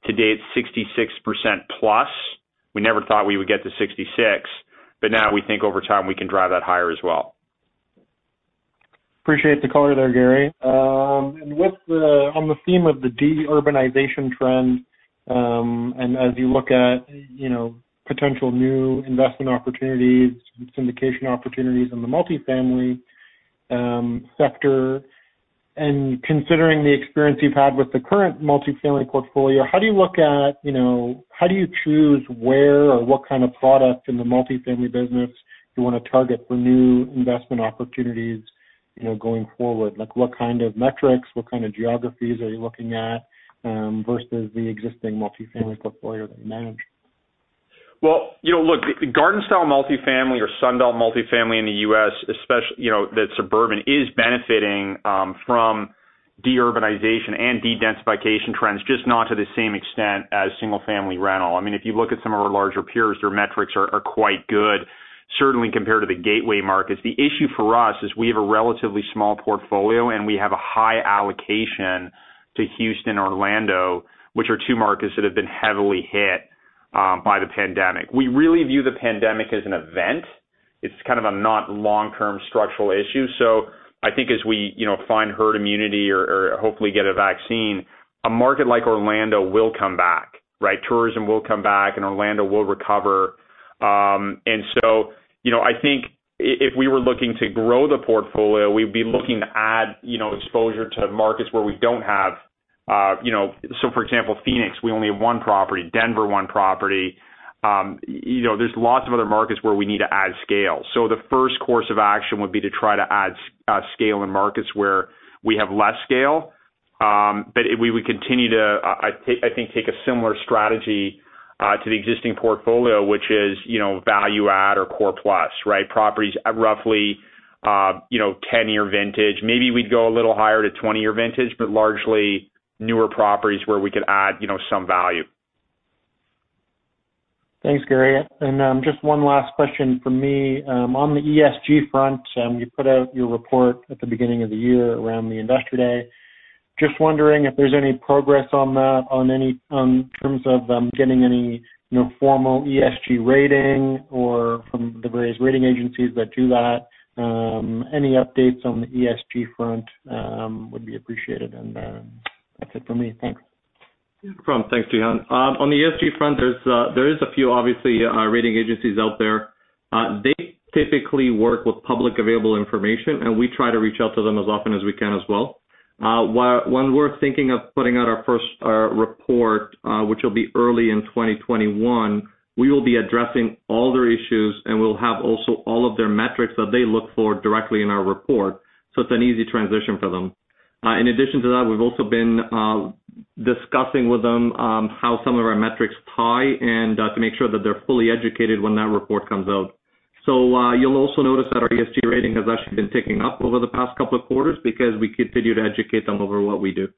Today, it's 66%+. We never thought we would get to 66%+, but now we think over time we can drive that higher as well. Appreciate the color there, Gary. On the theme of the de-urbanization trend, as you look at potential new investment opportunities and syndication opportunities in the multifamily sector, and considering the experience you've had with the current multifamily portfolio, how do you choose where or what kind of product in the multifamily business you want to target for new investment opportunities going forward? What kind of metrics, what kind of geographies are you looking at versus the existing multifamily portfolio that you manage? Well, look, garden style multifamily or Sunbelt multifamily in the U.S., that suburban, is benefiting from de-urbanization and de-densification trends, just not to the same extent as single-family rental. If you look at some of our larger peers, their metrics are quite good, certainly compared to the gateway markets. The issue for us is we have a relatively small portfolio, and we have a high allocation to Houston, Orlando, which are two markets that have been heavily hit by the pandemic. We really view the pandemic as an event. It's kind of a not long-term structural issue. I think as we find herd immunity or hopefully get a vaccine, a market like Orlando will come back. Tourism will come back, and Orlando will recover. I think if we were looking to grow the portfolio, we'd be looking to add exposure to markets where we don't have. For example, Phoenix, we only have one property. Denver, one property. There's lots of other markets where we need to add scale. We would continue to, I think, take a similar strategy to the existing portfolio, which is value add or core plus. Properties at roughly 10-year vintage. Maybe we'd go a little higher to 20-year vintage, but largely newer properties where we could add some value. Thanks, Gary. Just one last question from me. On the ESG front, you put out your report at the beginning of the year around the Investor Day. Just wondering if there's any progress on that in terms of getting any formal ESG rating or from the various rating agencies that do that. Any updates on the ESG front would be appreciated. That's it for me. Thanks. No problem. Thanks, Stephen. On the ESG front, there is a few, obviously, rating agencies out there. They typically work with public available information, and we try to reach out to them as often as we can as well. When we're thinking of putting out our first report, which will be early in 2021, we will be addressing all their issues, and we'll have also all of their metrics that they look for directly in our report. It's an easy transition for them. In addition to that, we've also been discussing with them how some of our metrics tie and to make sure that they're fully educated when that report comes out. You'll also notice that our ESG rating has actually been ticking up over the past couple of quarters because we continue to educate them over what we do.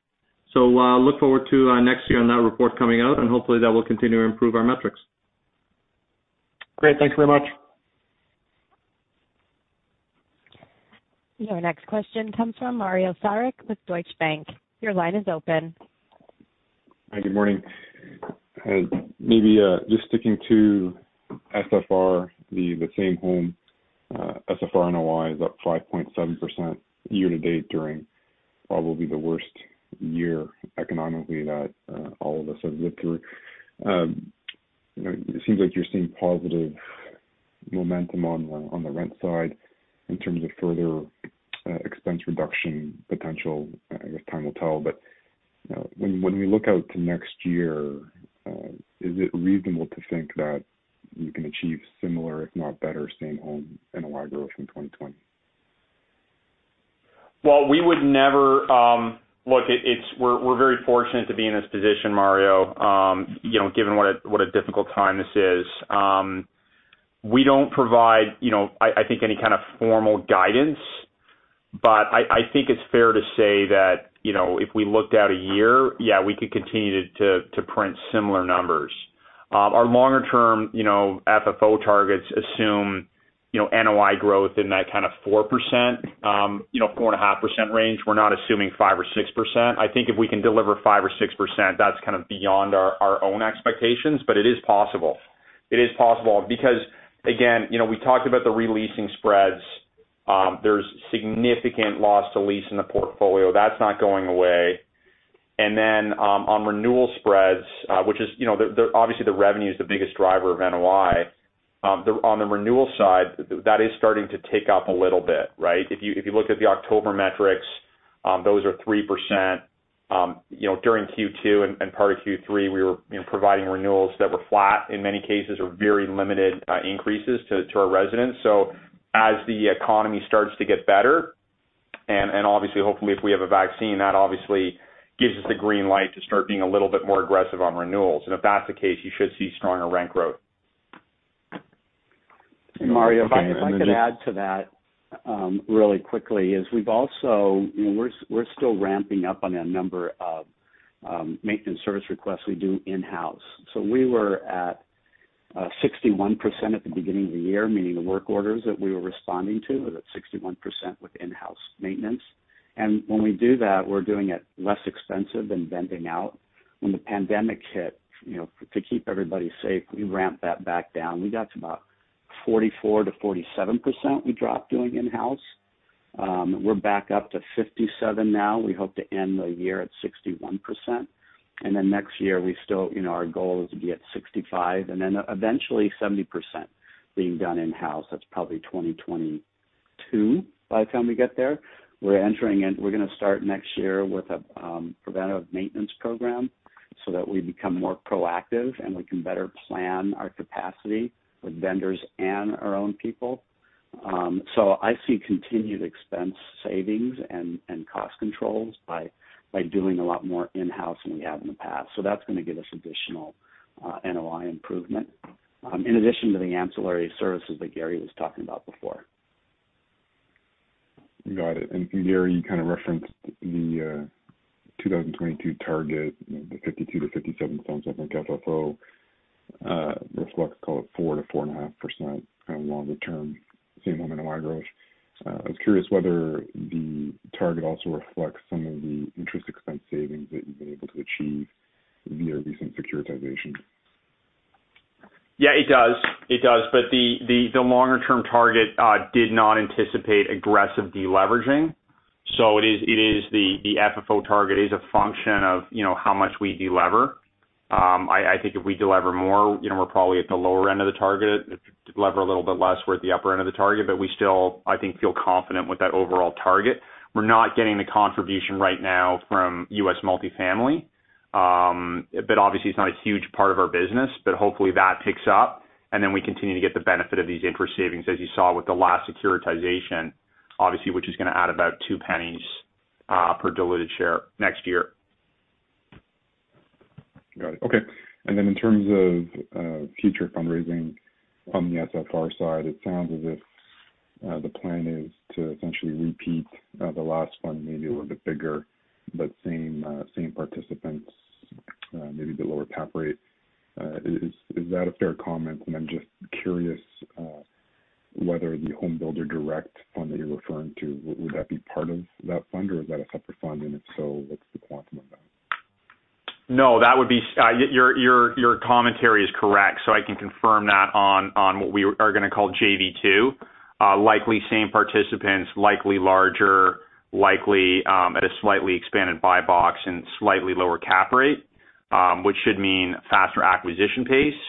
Look forward to next year on that report coming out, and hopefully that will continue to improve our metrics. Great. Thanks very much. Your next question comes from Mario Saric with Deutsche Bank. Your line is open. Hi, good morning. Just sticking to SFR, the same home SFR NOI is up 5.7% year-to-date during probably the worst year economically that all of us have lived through. It seems like you're seeing positive momentum on the rent side in terms of further expense reduction potential. I guess time will tell. When we look out to next year, is it reasonable to think that you can achieve similar, if not better, same home NOI growth in 2020? Well, we're very fortunate to be in this position, Mario, given what a difficult time this is. We don't provide I think any kind of formal guidance, but I think it's fair to say that if we looked at a year, yeah, we could continue to print similar numbers. Our longer-term FFO targets assume NOI growth in that kind of 4%-4.5% range. We're not assuming 5% or 6%. I think if we can deliver 5% or 6%, that's kind of beyond our own expectations, but it is possible. It is possible because, again, we talked about the re-leasing spreads. There's significant loss to lease in the portfolio. That's not going away. On renewal spreads, obviously the revenue is the biggest driver of NOI. On the renewal side, that is starting to tick up a little bit. If you look at the October metrics, those are 3%. During Q2 and part of Q3, we were providing renewals that were flat in many cases or very limited increases to our residents. As the economy starts to get better, and obviously, hopefully, if we have a vaccine, that obviously gives us the green light to start being a little bit more aggressive on renewals. If that's the case, you should see stronger rent growth. Mario, if I could add to that really quickly, is we're still ramping up on a number of maintenance service requests we do in-house. We were at 61% at the beginning of the year, meaning the work orders that we were responding to were at 61% with in-house maintenance. When we do that, we're doing it less expensive than vending out. When the pandemic hit, to keep everybody safe, we ramped that back down. We got to about 44%-47% we dropped doing in-house. We're back up to 57% now. We hope to end the year at 61%. Then next year, our goal is to be at 65%, and then eventually 70% being done in-house. That's probably 2022 by the time we get there. We're going to start next year with a preventative maintenance program so that we become more proactive and we can better plan our capacity with vendors and our own people. I see continued expense savings and cost controls by doing a lot more in-house than we have in the past. That's going to give us additional NOI improvement, in addition to the ancillary services that Gary was talking about before. Got it. Gary, you kind of referenced the 2022 target, the $0.52-$0.57 on the FFO. That's what, call it 4%-4.5% kind of longer term same NOI growth. I was curious whether the target also reflects some of the interest expense savings that you've been able to achieve via recent securitization. Yeah, it does. The longer-term target did not anticipate aggressive deleveraging. The FFO target is a function of how much we delever. I think if we delever more, we're probably at the lower end of the target. Delever a little bit less, we're at the upper end of the target. We still, I think, feel confident with that overall target. We're not getting the contribution right now from U.S. multi-family. Obviously it's not a huge part of our business, but hopefully that picks up and then we continue to get the benefit of these interest savings, as you saw with the last securitization, obviously, which is going to add about $0.02 per diluted share next year. Got it. Okay. Then in terms of future fundraising on the SFR side, it sounds as if the plan is to essentially repeat the last fund, maybe a little bit bigger, but same participants, maybe the lower cap rate. Is that a fair comment? I'm just curious whether the Home Builder Direct fund that you're referring to, would that be part of that fund or is that a separate fund? If so, what's the quantum of that? No, your commentary is correct. I can confirm that on what we are going to call JV 2. Likely same participants, likely larger, likely at a slightly expanded buy box and slightly lower cap rate, which should mean faster acquisition pace.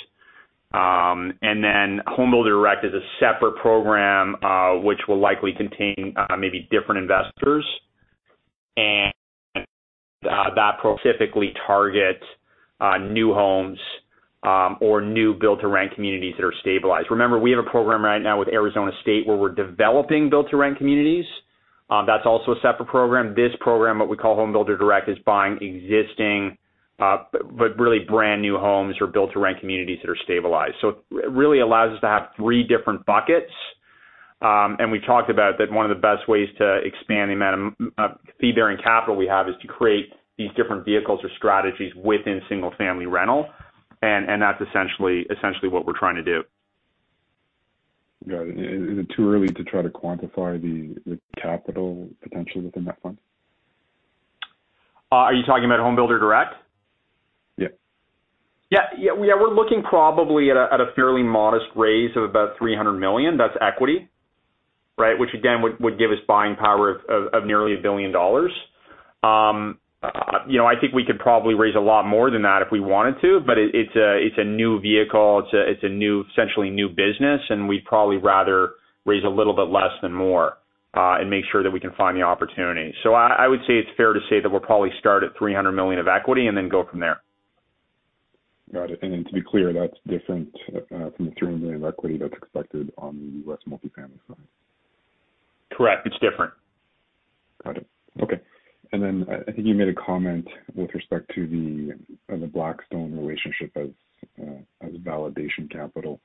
Home Builder Direct is a separate program, which will likely contain maybe different investors, and that program specifically targets new homes, or new build to rent communities that are stabilized. Remember, we have a program right now with Arizona State where we're developing build to rent communities. That's also a separate program. This program, what we call Home Builder Direct, is buying existing, but really brand new homes or build to rent communities that are stabilized. It really allows us to have three different buckets. We talked about that one of the best ways to expand the amount of fee bearing capital we have is to create these different vehicles or strategies within single family rental, and that's essentially what we're trying to do. Got it. Is it too early to try to quantify the capital potential within that fund? Are you talking about Home Builder Direct? Yeah. Yeah. We're looking probably at a fairly modest raise of about $300 million. That's equity. Which again, would give us buying power of nearly $1 billion. I think we could probably raise a lot more than that if we wanted to, but it's a new vehicle. It's essentially a new business, and we'd probably rather raise a little bit less than more, and make sure that we can find the opportunity. I would say it's fair to say that we'll probably start at $300 million of equity and then go from there. Got it. Then to be clear, that's different from the $300 million of equity that's expected on the U.S. multi-family side. Correct. It's different. Got it. Okay. I think you made a comment with respect to the Blackstone relationship as validation capital.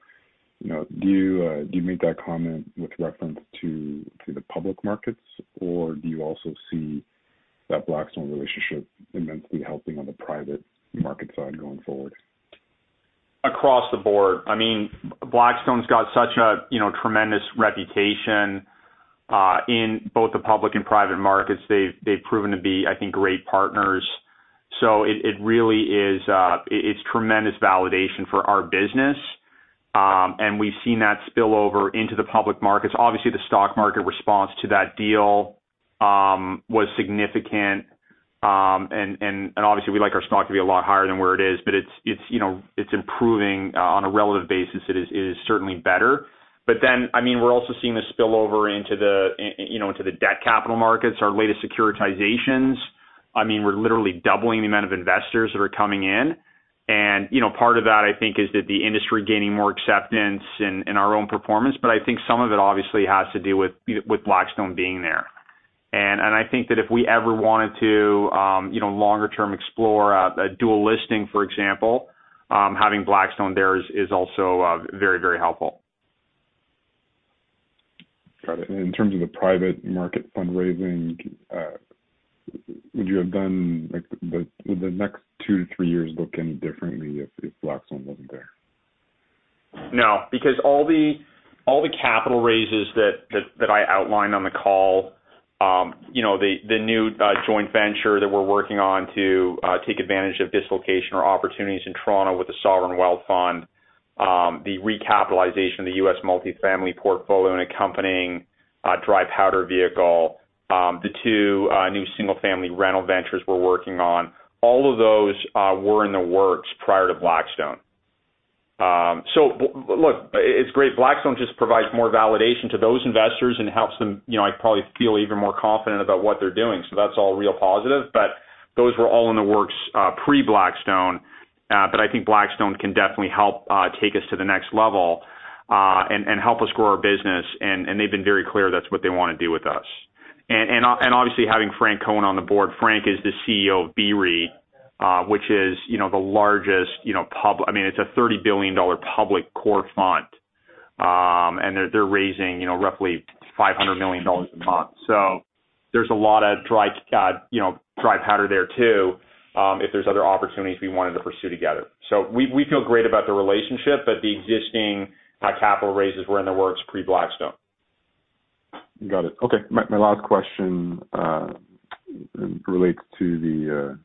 Do you make that comment with reference to the public markets, or do you also see that Blackstone relationship immensely helping on the private market side going forward? Across the board. Blackstone's got such a tremendous reputation in both the public and private markets. They've proven to be, I think, great partners. It's tremendous validation for our business. We've seen that spill over into the public markets. Obviously, the stock market response to that deal was significant. Obviously we like our stock to be a lot higher than where it is, but it's improving on a relative basis. It is certainly better. We're also seeing the spillover into the debt capital markets, our latest securitizations. We're literally doubling the amount of investors that are coming in. Part of that, I think, is that the industry gaining more acceptance in our own performance. I think some of it obviously has to do with Blackstone being there. I think that if we ever wanted to longer term explore a dual listing, for example, having Blackstone there is also very helpful. Got it. In terms of the private market fundraising, would the next two to three years look any differently if Blackstone wasn't there? No, because all the capital raises that I outlined on the call, the new joint venture that we're working on to take advantage of dislocation or opportunities in Toronto with the Sovereign Wealth Fund, the recapitalization of the U.S. multi-family portfolio and accompanying dry powder vehicle, the two new single-family rental ventures we're working on, all of those were in the works prior to Blackstone. Look, it's great. Blackstone just provides more validation to those investors and helps them probably feel even more confident about what they're doing. That's all real positive, but those were all in the works pre-Blackstone. I think Blackstone can definitely help take us to the next level and help us grow our business, and they've been very clear that's what they want to do with us. Obviously having Frank Cohen on the board. Frank is the CEO of BREIT, which is the largest. It's a $30 billion public core fund. They're raising roughly $500 million a month. There's a lot of dry powder there, too, if there's other opportunities we wanted to pursue together. We feel great about the relationship, but the existing capital raises were in the works pre-Blackstone. Got it. Okay. My last question relates to the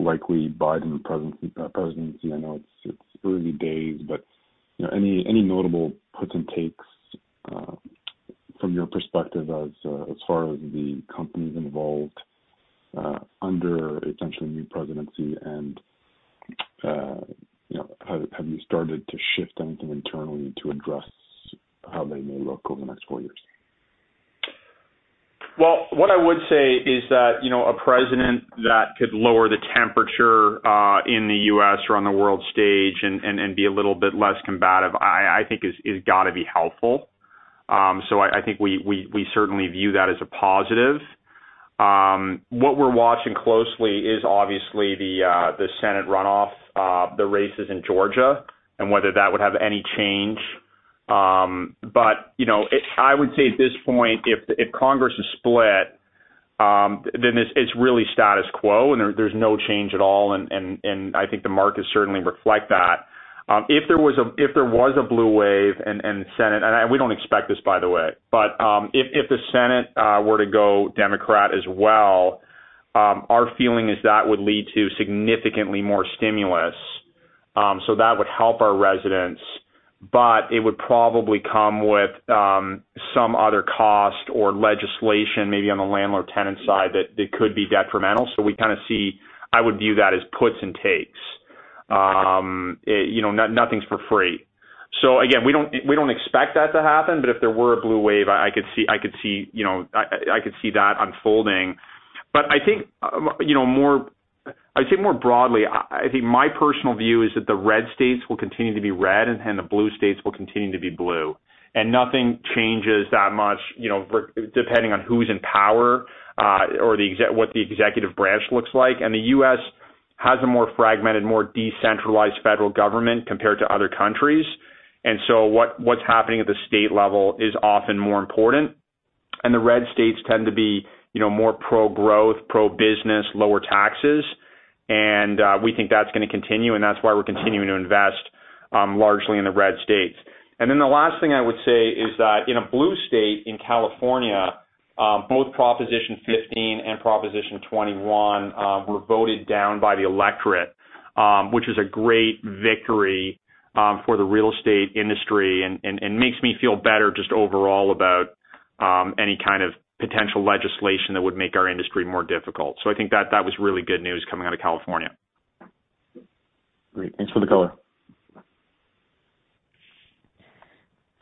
likely Biden presidency. I know it's early days, any notable puts and takes from your perspective as far as the companies involved under a potentially new presidency? Have you started to shift anything internally to address how they may look over the next four years? What I would say is that a president that could lower the temperature in the U.S. or on the world stage and be a little bit less combative, I think has got to be helpful. I think we certainly view that as a positive. What we're watching closely is obviously the Senate runoff, the races in Georgia, and whether that would have any change. I would say at this point, if Congress is split, then it's really status quo, and there's no change at all. I think the markets certainly reflect that. If there was a blue wave in the Senate, and we don't expect this, by the way, but if the Senate were to go Democrat as well, our feeling is that would lead to significantly more stimulus. That would help our residents, but it would probably come with some other cost or legislation, maybe on the landlord-tenant side, that could be detrimental. We kind of see, I would view that as puts and takes. Nothing's for free. Again, we don't expect that to happen. If there were a blue wave, I could see that unfolding. I think more broadly, I think my personal view is that the red states will continue to be red, and the blue states will continue to be blue. Nothing changes that much depending on who's in power or what the executive branch looks like. The U.S. has a more fragmented, more decentralized federal government compared to other countries. What's happening at the state level is often more important. The red states tend to be more pro-growth, pro-business, lower taxes. We think that's going to continue, and that's why we're continuing to invest largely in the red states. The last thing I would say is that in a blue state in California, both Proposition 15 and Proposition 21 were voted down by the electorate, which is a great victory for the real estate industry and makes me feel better just overall about any kind of potential legislation that would make our industry more difficult. I think that was really good news coming out of California. Great. Thanks for the color.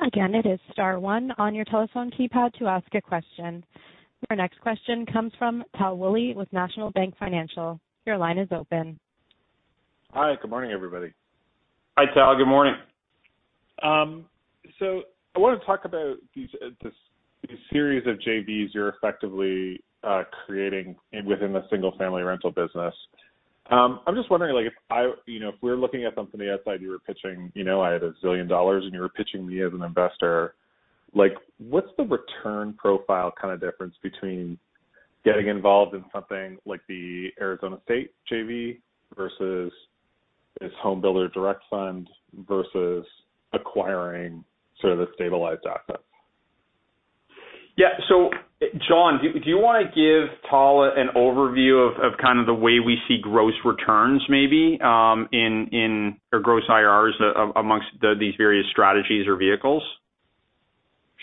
Again, it is star one on your telephone keypad to ask a question. Our next question comes from Tal Woolley with National Bank Financial. Your line is open. Hi. Good morning, everybody. Hi, Tal. Good morning. I want to talk about these series of JVs you're effectively creating within the single-family rental business. I'm just wondering if we're looking at something outside, you were pitching, I have a zillion dollars, and you were pitching me as an investor. What's the return profile kind of difference between getting involved in something like the Arizona State JV versus this Home Builder Direct fund versus acquiring sort of the stabilized assets? Yeah. John, do you want to give Tal an overview of kind of the way we see gross returns maybe, or gross IRRs amongst these various strategies or vehicles?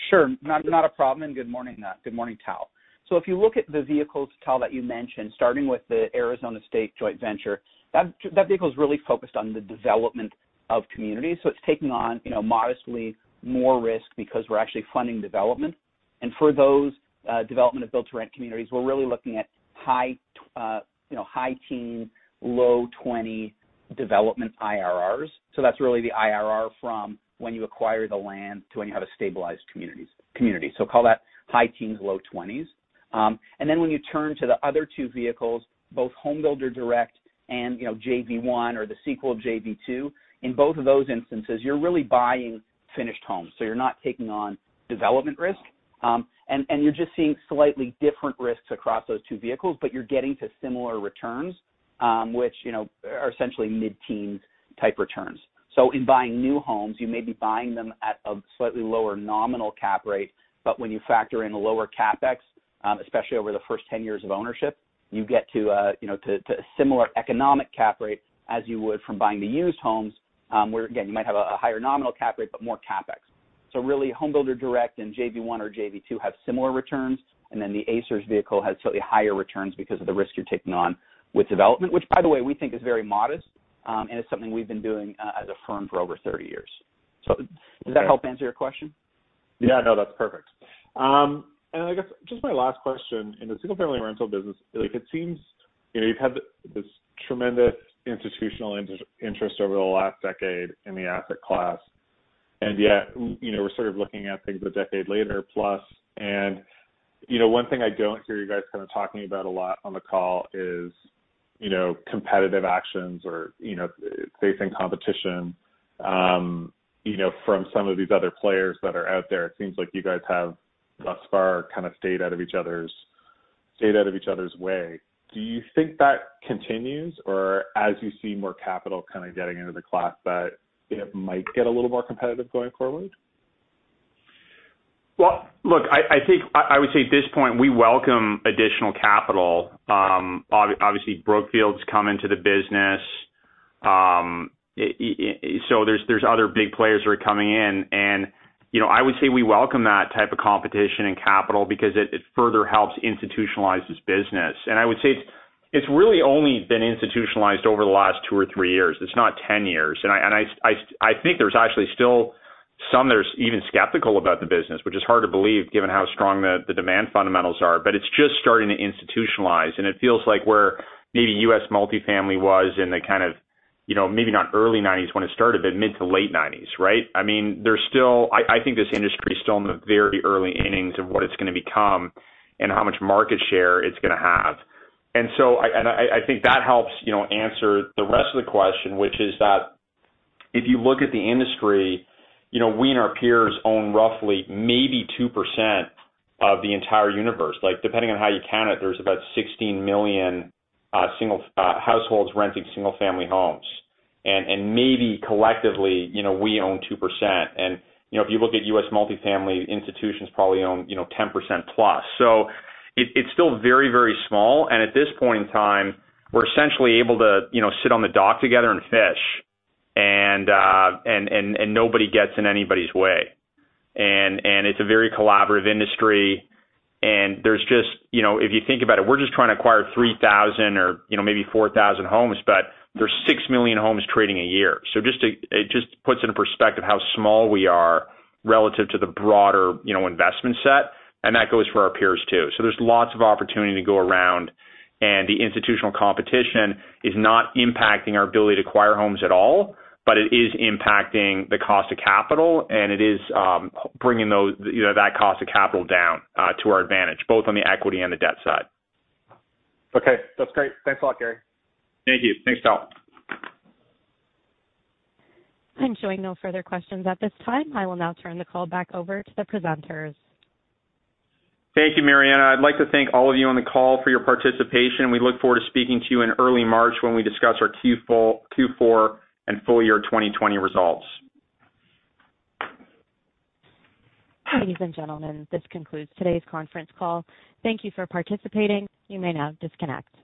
Sure. Not a problem. Good morning. Good morning, Tal. If you look at the vehicles, Tal, that you mentioned, starting with the Arizona State joint venture, that vehicle is really focused on the development of communities. It's taking on modestly more risk because we're actually funding development. For those development of build-to-rent communities, we're really looking at high teen, low 20 development IRRs. That's really the IRR from when you acquire the land to when you have a stabilized community. Call that high teens, low 20s. When you turn to the other two vehicles, both Home Builder Direct and JV 1 or the sequel, JV 2, in both of those instances, you're really buying finished homes. You're not taking on development risk. You're just seeing slightly different risks across those two vehicles, but you're getting to similar returns. Which are essentially mid-teens type returns. In buying new homes, you may be buying them at a slightly lower nominal cap rate, but when you factor in the lower CapEx, especially over the first 10 years of ownership, you get to a similar economic cap rate as you would from buying the used homes, where, again, you might have a higher nominal cap rate, but more CapEx. Really, Home Builder Direct and JV 1 or JV 2 have similar returns, and then the ASRS vehicle has slightly higher returns because of the risk you're taking on with development, which by the way, we think is very modest, and it's something we've been doing as a firm for over 30 years. Does that help answer your question? Yeah, no, that's perfect. I guess just my last question. In the single-family rental business, it seems you've had this tremendous institutional interest over the last decade in the asset class, and yet we're sort of looking at things a decade later plus, and one thing I don't hear you guys kind of talking about a lot on the call is competitive actions or facing competition from some of these other players that are out there. It seems like you guys have thus far kind of stayed out of each other's way. Do you think that continues or as you see more capital kind of getting into the class that it might get a little more competitive going forward? Well, look, I would say at this point, we welcome additional capital. Obviously Brookfield's come into the business. There's other big players who are coming in, I would say we welcome that type of competition and capital because it further helps institutionalize this business. I would say it's really only been institutionalized over the last two or three years. It's not 10 years. I think there's actually still some that are even skeptical about the business, which is hard to believe given how strong the demand fundamentals are. It's just starting to institutionalize, it feels like where maybe U.S. multifamily was in the kind of, maybe not early 1990s when it started, but mid to late 1990s, right? I think this industry is still in the very early innings of what it's going to become and how much market share it's going to have. I think that helps answer the rest of the question, which is that if you look at the industry, we and our peers own roughly maybe 2% of the entire universe. Depending on how you count it, there's about 16 million households renting single-family homes. Maybe collectively, we own 2%. If you look at U.S. multifamily, institutions probably own 10%+. It's still very small, and at this point in time, we're essentially able to sit on the dock together and fish, and nobody gets in anybody's way. It's a very collaborative industry, and if you think about it, we're just trying to acquire 3,000 or maybe 4,000 homes, but there's 6 million homes trading a year. It just puts into perspective how small we are relative to the broader investment set, and that goes for our peers, too. There's lots of opportunity to go around, and the institutional competition is not impacting our ability to acquire homes at all, but it is impacting the cost of capital, and it is bringing that cost of capital down to our advantage, both on the equity and the debt side. Okay. That's great. Thanks a lot, Gary. Thank you. Thanks, Tal. I'm showing no further questions at this time. I will now turn the call back over to the presenters. Thank you, Marianna. I'd like to thank all of you on the call for your participation. We look forward to speaking to you in early March when we discuss our Q4 and full year 2020 results. Ladies and gentlemen, this concludes today's conference call. Thank you for participating. You may now disconnect.